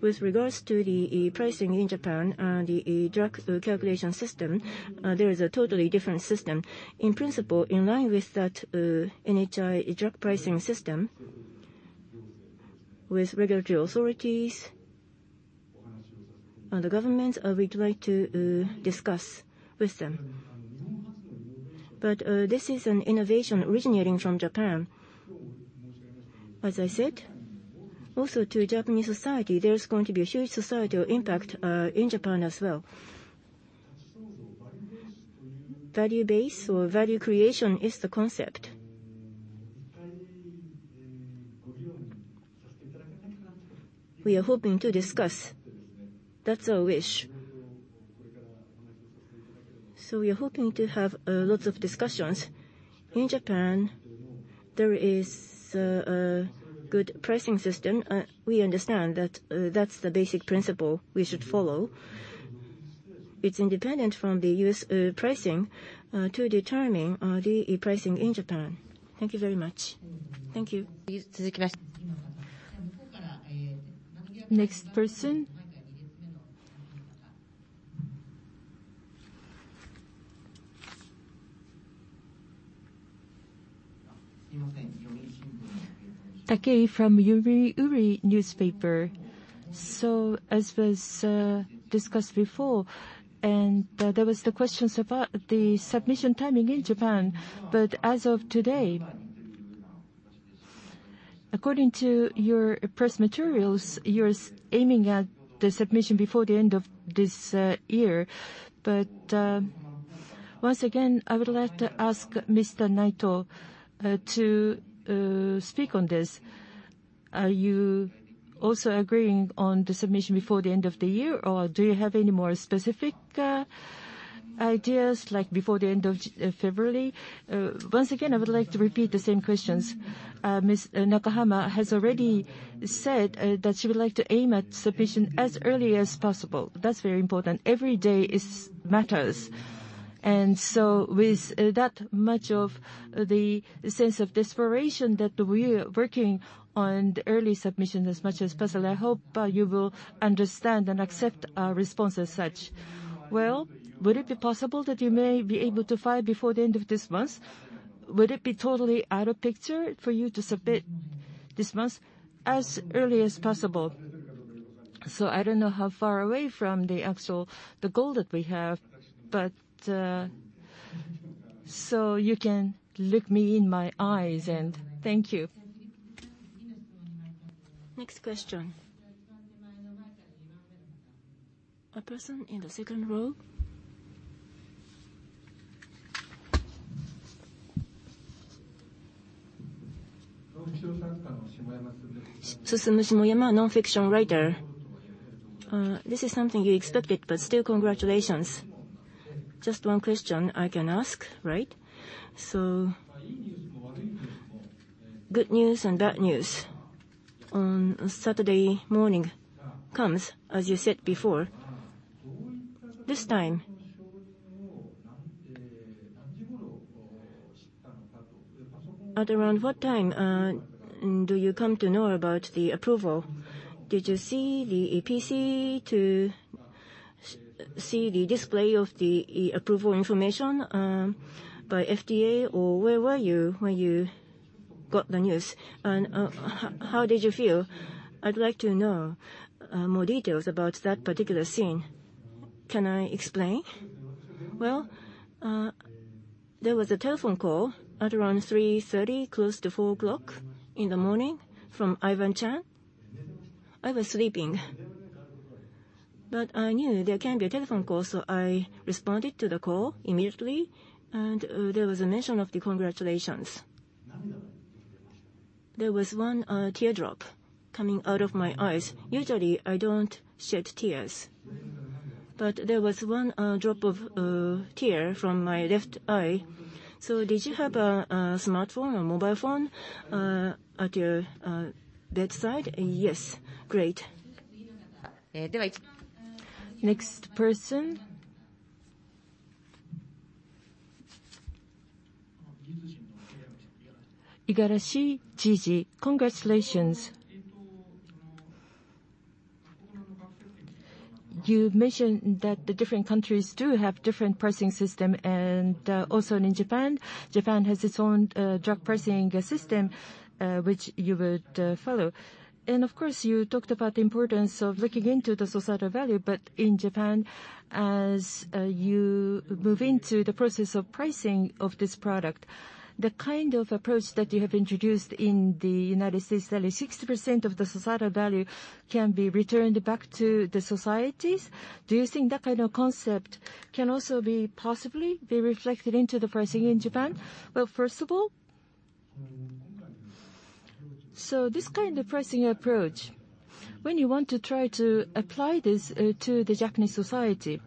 With regards to the pricing in Japan, the drug calculation system, there is a totally different system. In principle, in line with that, NHI drug pricing system, with regulatory authorities-On the governments, we'd like to discuss with them. This is an innovation originating from Japan. As I said, also to Japanese society, there's going to be a huge societal impact in Japan as well. Value base or value creation is the concept. We are hoping to discuss. That's our wish. We are hoping to have lots of discussions. In Japan, there is a good pricing system. We understand that that's the basic principle we should follow. It's independent from the U.S. pricing to determine the pricing in Japan. Thank you very much. Thank you. Next person. Takei from Yomiuri Newspaper. As was discussed before, and there was the questions about the submission timing in Japan, but as of today, according to your press materials, you're aiming at the submission before the end of this year. Once again, I would like to ask Mr. Naito to speak on this. Are you also agreeing on the submission before the end of the year, or do you have any more specific ideas, like before the end of February? Once again, I would like to repeat the same questions. Ms. Nakahama has already said that she would like to aim at submission as early as possible. That's very important. Every day matters. With that much of the sense of desperation that we're working on the early submission as much as possible, I hope you will understand and accept our response as such. Well, would it be possible that you may be able to file before the end of this month? Would it be totally out of picture for you to submit this month? As early as possible. I don't know how far away from the actual, the goal that we have, but. You can look me in my eyes and thank you. Next question. A person in the second row. This is something you expected, but still congratulations. Just one question I can ask, right? Good news and bad news. On Saturday morning comes, as you said before, this time. At around what time do you come to know about the approval? Did you see the EPC to see the display of the approval information by FDA, or where were you when you got the news? How did you feel? I'd like to know more details about that particular scene. Can I explain? Well, there was a telephone call at around 3:30, close to 4:00 A.M. from Ivan Cheung. I was sleeping. I knew there can be a telephone call. I responded to the call immediately. There was a mention of the congratulations. There was one teardrop coming out of my eyes. Usually, I don't shed tears. There was one drop of tear from my left eye. Did you have a smartphone or mobile phone at your bedside? Yes. Great. Next person. Igarashi Jiji. Congratulations. You mentioned that the different countries do have different pricing system and also in Japan has its own drug pricing system, which you would follow. Of course, you talked about the importance of looking into the societal value. In Japan, as you move into the process of pricing of this product, the kind of approach that you have introduced in the United States, that is 60% of the societal value can be returned back to the societies. Do you think that kind of concept can also be possibly be reflected into the pricing in Japan? First of all, this kind of pricing approach, when you want to try to apply this to the Japanese society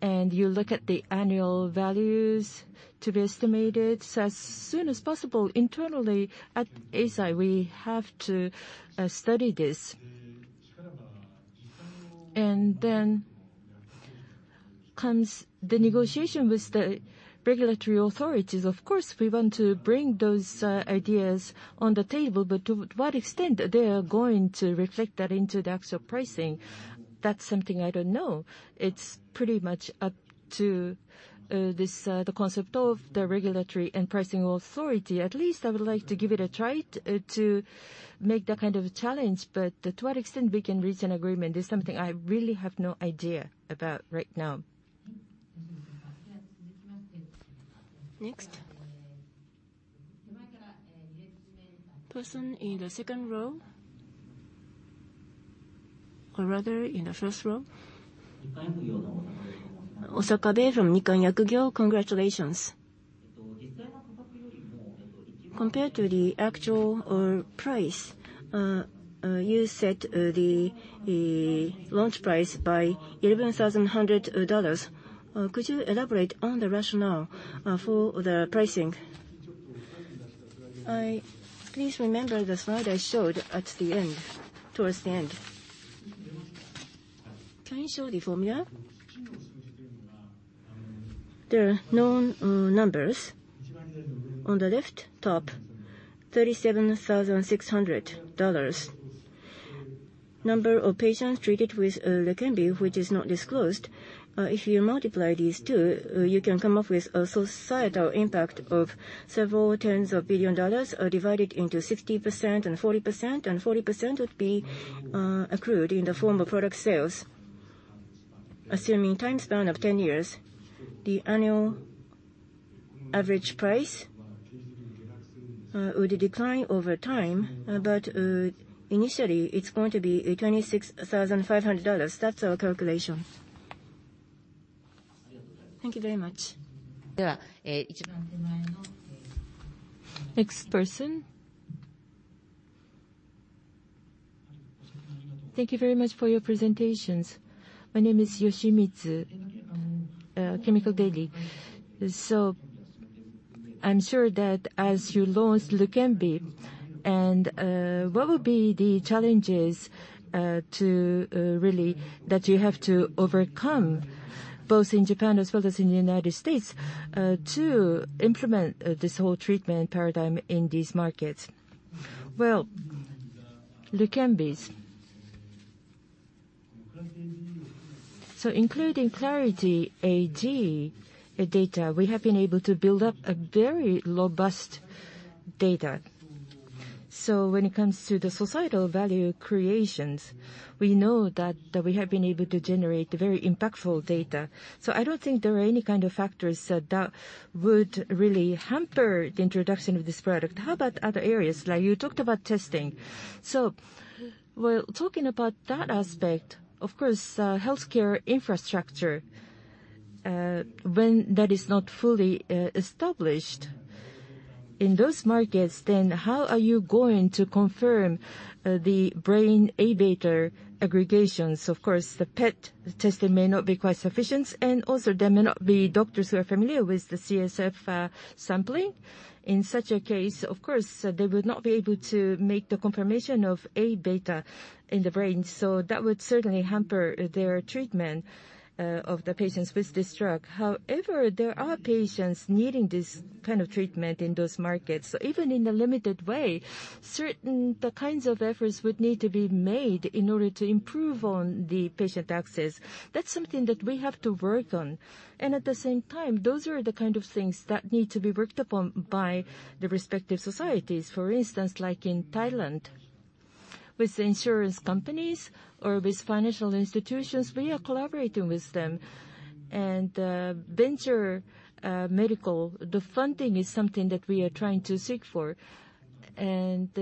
and you look at the annual values to be estimated, as soon as possible, internally at Eisai, we have to study this. Then comes the negotiation with the regulatory authorities. Of course, we want to bring those ideas on the table, but to what extent they are going to reflect that into the actual pricing, that's something I don't know. It's pretty much up to this, the concept of the regulatory and pricing authority. At least I would like to give it a try to make that kind of a challenge. To what extent we can reach an agreement is something I really have no idea about right now. Next, person in the second row. Rather, in the first row. Osakabe from Nikkan Yakugyo. Congratulations. Compared to the actual price you set the launch price by $11,100. Could you elaborate on the rationale for the pricing? Please remember the slide I showed at the end, towards the end. Can you show the formula? There are known numbers. On the left top, $37,600. Number of patients treated with LEQEMBI, which is not disclosed. If you multiply these two, you can come up with a societal impact of several tens of billion dollars, divided into 60% and 40%, and 40% would be accrued in the form of product sales. Assuming time span of 10 years, the annual average price would decline over time, but initially it's going to be $26,500. That's our calculation. Thank you very much. Next person. Thank you very much for your presentations. My name is Yoshimitsu, Chemical Daily. I'm sure that as you launched LEQEMBI, and what would be the challenges to really that you have to overcome both in Japan as well as in the United States, to implement this whole treatment paradigm in these markets? LEQEMBI's. Including Clarity AD data, we have been able to build up a very robust data. When it comes to the societal value creations, we know that we have been able to generate very impactful data. I don't think there are any kind of factors that would really hamper the introduction of this product. How about other areas, like you talked about testing? Well, talking about that aspect, of course, healthcare infrastructure, when that is not fully established in those markets, then how are you going to confirm the brain Aβ aggregations? Of course, the PET testing may not be quite sufficient, and also there may not be doctors who are familiar with the CSF sampling. In such a case, of course, they would not be able to make the confirmation of Aβ in the brain. That would certainly hamper their treatment of the patients with this drug. However, there are patients needing this kind of treatment in those markets. Even in a limited way, certain, the kinds of efforts would need to be made in order to improve on the patient access. That's something that we have to work on. At the same time, those are the kind of things that need to be worked upon by the respective societies. For instance, like in Thailand, with insurance companies or with financial institutions, we are collaborating with them. Venture medical, the funding is something that we are trying to seek for. With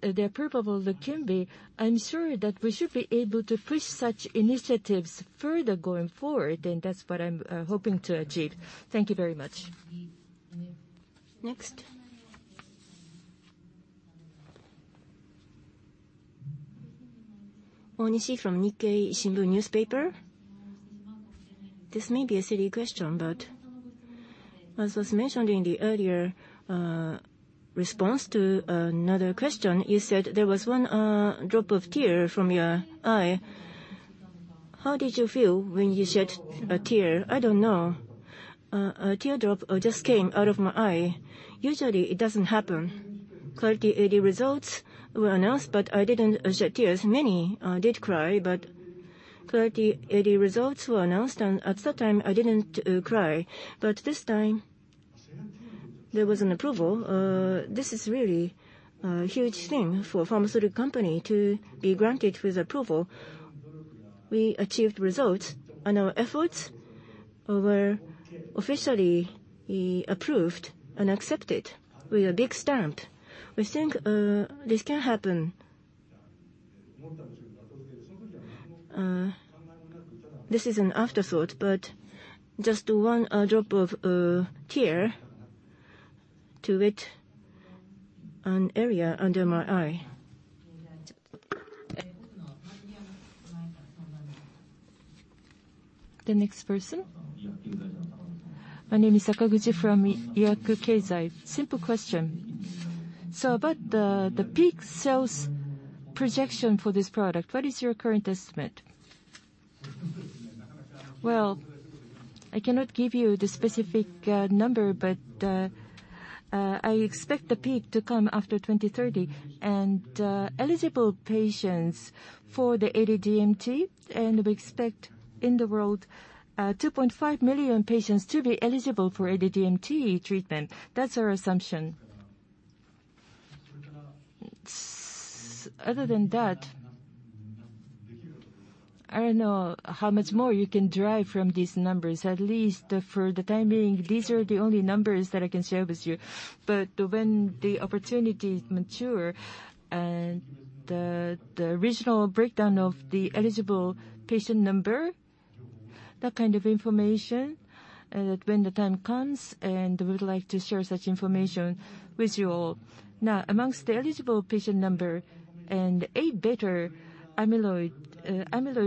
the approval of LEQEMBI, I'm sure that we should be able to push such initiatives further going forward, and that's what I'm hoping to achieve. Thank you very much. Next. Onishi from The Nikkei Shimbun Newspaper. This may be a silly question, but as was mentioned in the earlier response to another question, you said there was one drop of tear from your eye. How did you feel when you shed a tear? I don't know. A teardrop just came out of my eye. Usually it doesn't happen. Clarity AD results were announced, I didn't shed tears. Many did cry, Clarity AD results were announced, and at that time I didn't cry. This time there was an approval. This is really a huge thing for a pharmaceutical company to be granted with approval. We achieved results and our efforts were officially approved and accepted with a big stamp. We think this can happen. This is an afterthought, just one drop of tear to wet an area under my eye. The next person. My name is Sakaguchi from Iyaku Kezai. Simple question. About the peak sales projection for this product, what is your current estimate? I cannot give you the specific number, but I expect the peak to come after 2030. Eligible patients for the AD-DMT, and we expect in the world 2.5 million patients to be eligible for AD-DMT treatment. That's our assumption. Other than that, I don't know how much more you can derive from these numbers. At least for the time being, these are the only numbers that I can share with you. When the opportunity mature and the regional breakdown of the eligible patient number, that kind of information, when the time comes, we would like to share such information with you all. Amongst the eligible patient number, amyloid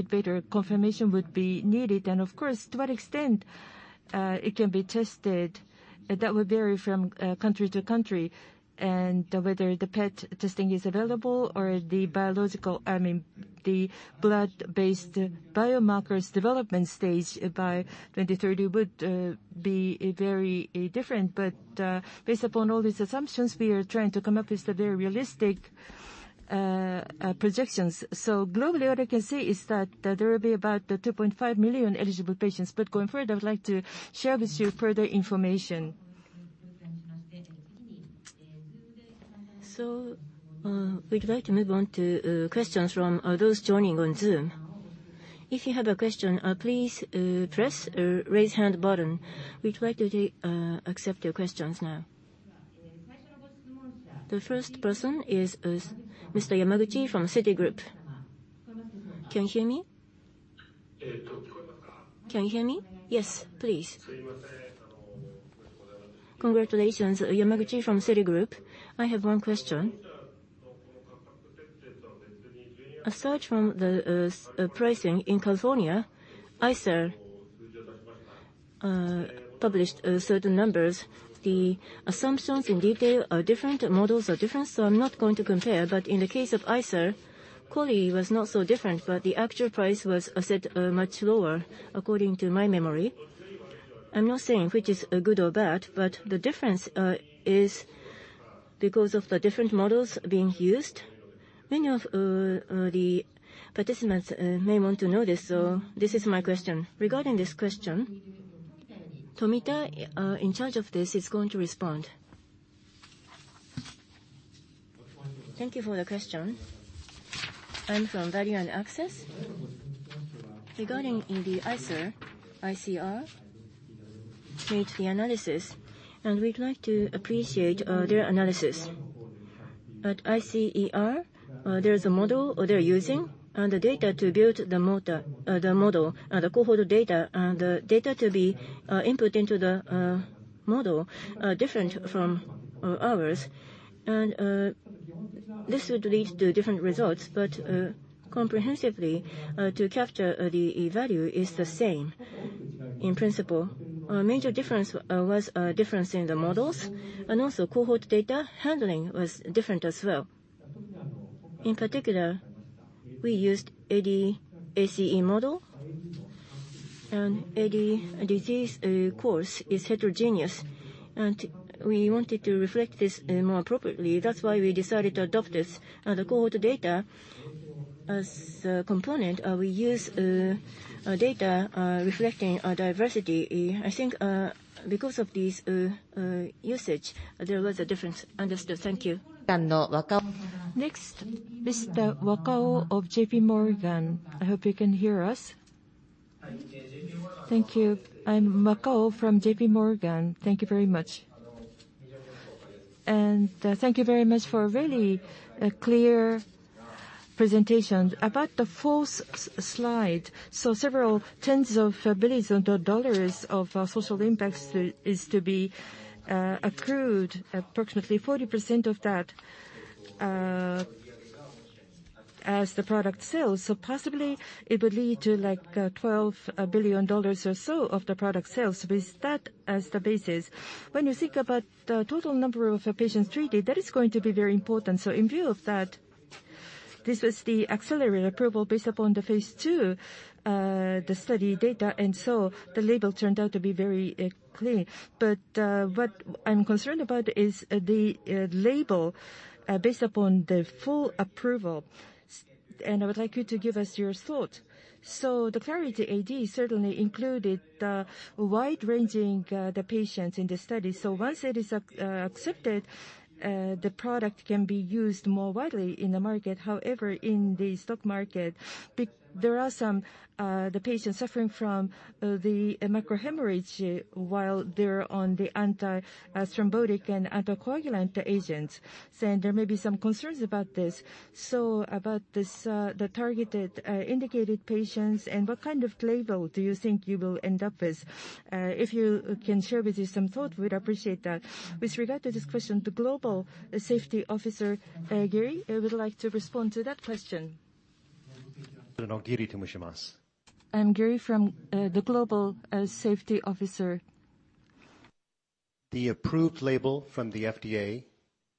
beta confirmation would be needed. Of course, to what extent it can be tested, that would vary from country to country. Whether the PET testing is available or the biological, I mean, the blood-based biomarkers development stage by 2030 would be very different. Based upon all these assumptions, we are trying to come up with a very realistic projections. Globally, what I can say is that there will be about 2.5 million eligible patients. Going further, I'd like to share with you further information. We'd like to move on to questions from those joining on Zoom. If you have a question, please press raise hand button. We try to take accept your questions now. The first person is Mr. Yamaguchi from Citigroup. Can you hear me? Yes, please. Congratulations. Yamaguchi from Citigroup. I have one question. Aside from the pricing in California, ICER published certain numbers. The assumptions in detail are different, models are different, I'm not going to compare. In the case of ICER, quality was not so different, but the actual price was set much lower according to my memory. I'm not saying which is good or bad, the difference is because of the different models being used. Many of the participants may want to know this, so this is my question. Regarding this question, Tomita, in charge of this, is going to respond. Thank you for the question. I'm from Value and Access. Regarding in the ICER, I-C-E-R, made the analysis, we'd like to appreciate their analysis. At ICER, there's a model they're using and the data to build the model, the cohort data, and the data to be input into the model are different from ours. This would lead to different results. Comprehensively, to capture the value is the same. In principle, our major difference was a difference in the models. Also cohort data handling was different as well. In particular, we used AD-ACE model, and AD disease course is heterogeneous, and we wanted to reflect this more appropriately. That's why we decided to adopt this. The cohort data as a component, we use data reflecting a diversity. I think, because of this usage, there was a difference. Understood. Thank you. Next, Mr. Wakao of JPMorgan. I hope you can hear us. Thank you. I'm Wakao from JPMorgan. Thank you very much. Thank you very much for a really clear presentation. About the fourth slide, several tens of billions of dollars of social impacts is to be accrued, approximately 40% of that as the product sells. Possibly it would lead to, like, $12 billion or so of the product sales. With that as the basis, when you think about the total number of patients treated, that is going to be very important. In view of that, this was the accelerated approval based upon the phase II study data. The label turned out to be very clear. What I'm concerned about is the label based upon the full approval. I would like you to give us your thought. The Clarity AD certainly included the wide-ranging, the patients in the study. Once it is accepted, the product can be used more widely in the market. However, in the stock market, there are some, the patients suffering from, the microhemorrhage while they're on the antithrombotic and anticoagulant agents, then there may be some concerns about this. About this, the targeted, indicated patients and what kind of label do you think you will end up with? If you can share with you some thought, we'd appreciate that. With regard to this question, the Global Safety Officer, Geary, would like to respond to that question. I'm Geary from, the Global Safety Officer. The approved label from the FDA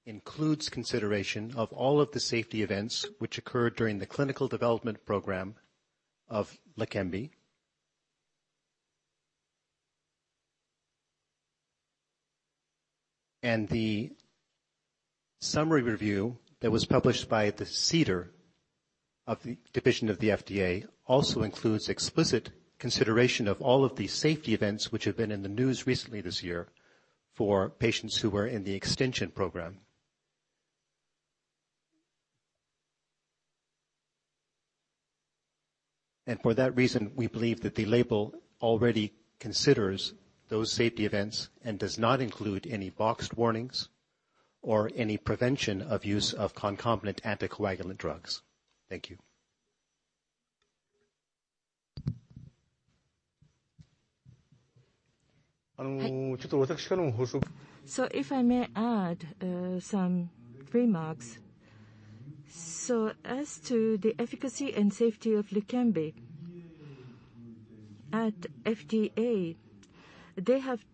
includes consideration of all of the safety events which occurred during the clinical development program of LEQEMBI. The summary review that was published by the CDER, the division of the FDA also includes explicit consideration of all of the safety events which have been in the news recently this year for patients who were in the extension program. For that reason, we believe that the label already considers those safety events and does not include any boxed warnings or any prevention of use of concomitant anticoagulant drugs. Thank you. If I may add some remarks. As to the efficacy and safety of LEQEMBI at FDA, they have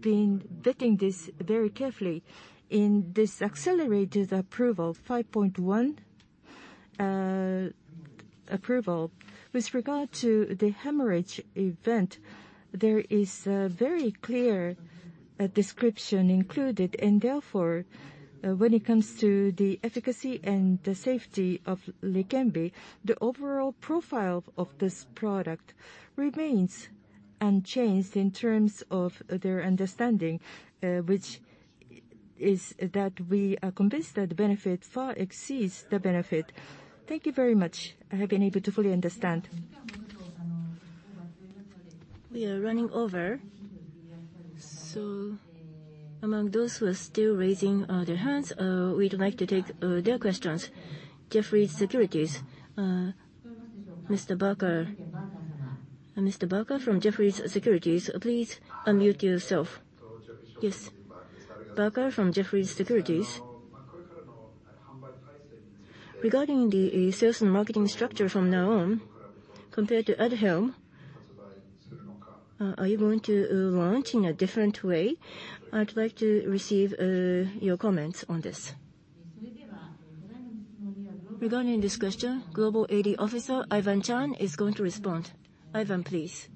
been vetting this very carefully in this accelerated approval, 5.1 approval. With regard to the hemorrhage event, there is a very clear description included. Therefore, when it comes to the efficacy and the safety of LEQEMBI, the overall profile of this product remains unchanged in terms of their understanding. Which is that we are convinced that the benefit far exceeds the benefit. Thank you very much. I have been able to fully understand. We are running over. Among those who are still raising their hands, we'd like to take their questions. Jefferies Securities. Mr. Barker. Mr. Barker from Jefferies Securities, please unmute yourself. Yes. Barker from Jefferies Securities. Regarding the sales and marketing structure from now on, compared to ADUHELM, are you going to launch in a different way? I'd like to receive your comments on this. Regarding this question, Global AD Officer Ivan Cheung is going to respond. Ivan, please.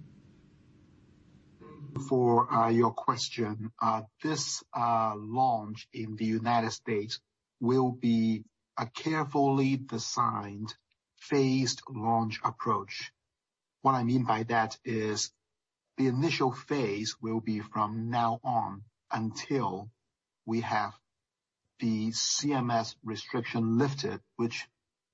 For your question, this launch in the United States will be a carefully designed phased launch approach. What I mean by that is the initial phase will be from now on until we have the CMS restriction lifted. Which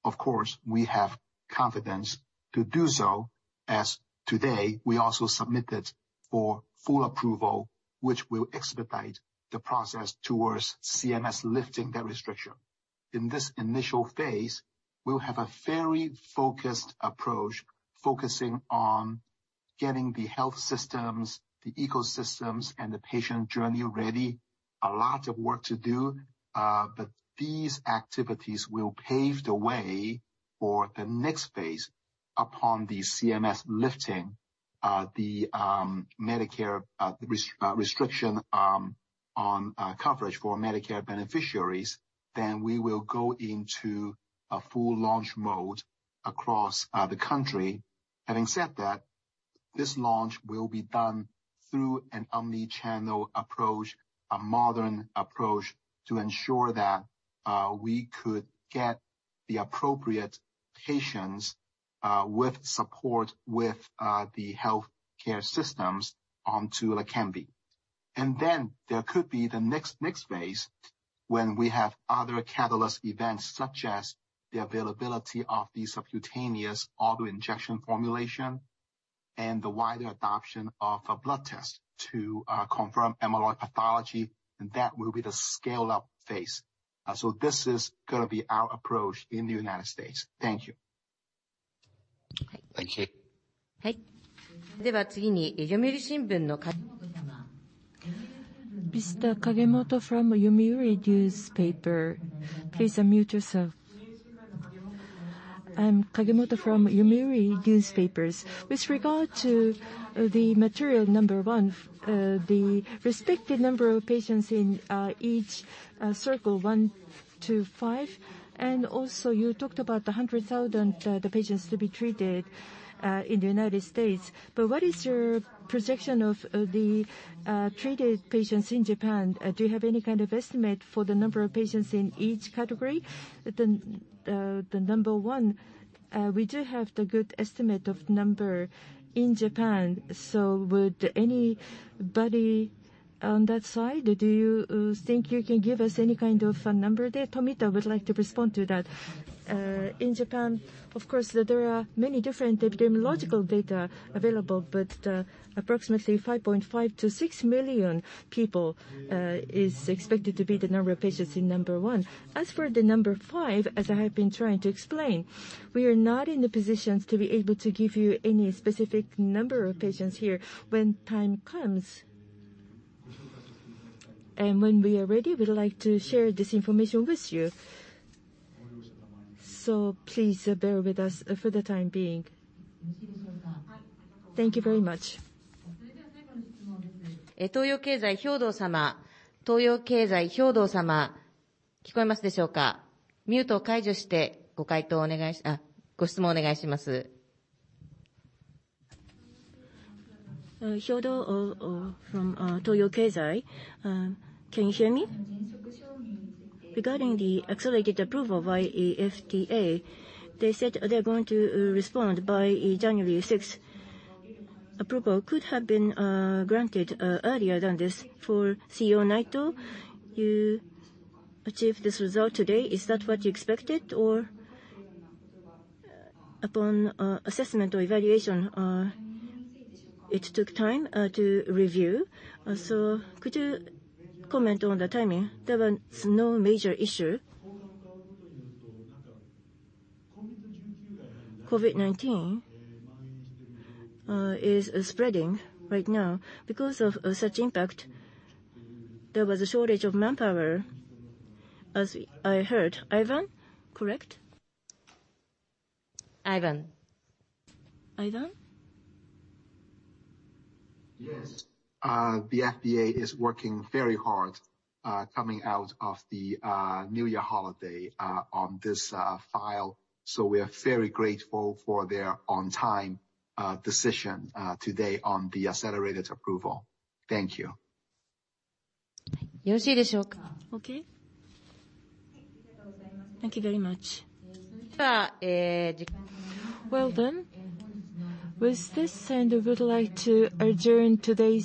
of course, we have confidence to do so as today we also submitted for full approval, which will expedite the process towards CMS lifting that restriction. In this initial phase, we'll have a very focused approach focusing on getting the health systems, the ecosystems and the patient journey ready. A lot of work to do, but these activities will pave the way for the next phase upon the CMS lifting the Medicare restriction on coverage for Medicare beneficiaries. We will go into a full launch mode across the country. Having said that, this launch will be done through an omnichannel approach. A modern approach to ensure that we could get the appropriate patients with support, with the healthcare systems onto LEQEMBI. Then there could be the next phase when we have other catalyst events, such as the availability of the subcutaneous auto-injection formulation and the wider adoption of a blood test to confirm amyloid pathology, that will be the scaled-up phase. This is gonna be our approach in the United States. Thank you. Thank you. Mr. Kagemoto from Yomiuri Newspaper, please unmute yourself. I'm Kagemoto from Yomiuri Newspapers. With regard to the material number 1, the respective number of patients in each circle one to five. You talked about the 100,000 patients to be treated in the United States. What is your projection of the treated patients in Japan? Do you have any kind of estimate for the number of patients in each category? The number one, we do have the good estimate of number in Japan. Would anybody on that side, do you think you can give us any kind of a number there? Tomita would like to respond to that. In Japan, of course, there are many different epidemiological data available, but approximately 5.5 to 6 million people, is expected to be the number of patients in number one. As for the number five, as I have been trying to explain, we are not in the position to be able to give you any specific number of patients here. When time comes and when we are ready, we would like to share this information with you. Please bear with us for the time being. Thank you very much. Hyodo, from Toyo Keizai. Can you hear me? Regarding the accelerated approval by FDA, they said they're going to respond by January 6th. Approval could have been granted earlier than this. For CEO Naito, you achieved this result today. Is that what you expected or upon assessment or evaluation, it took time to review? Could you comment on the timing? There was no major issue. COVID-19 is spreading right now. Because of such impact, there was a shortage of manpower, as I heard. Ivan, correct? Ivan. Ivan? Yes. The FDA is working very hard, coming out of the New Year holiday, on this file. We are very grateful for their on time decision today on the accelerated approval. Thank you. Okay. Thank you very much. Well, with this end, we would like to adjourn.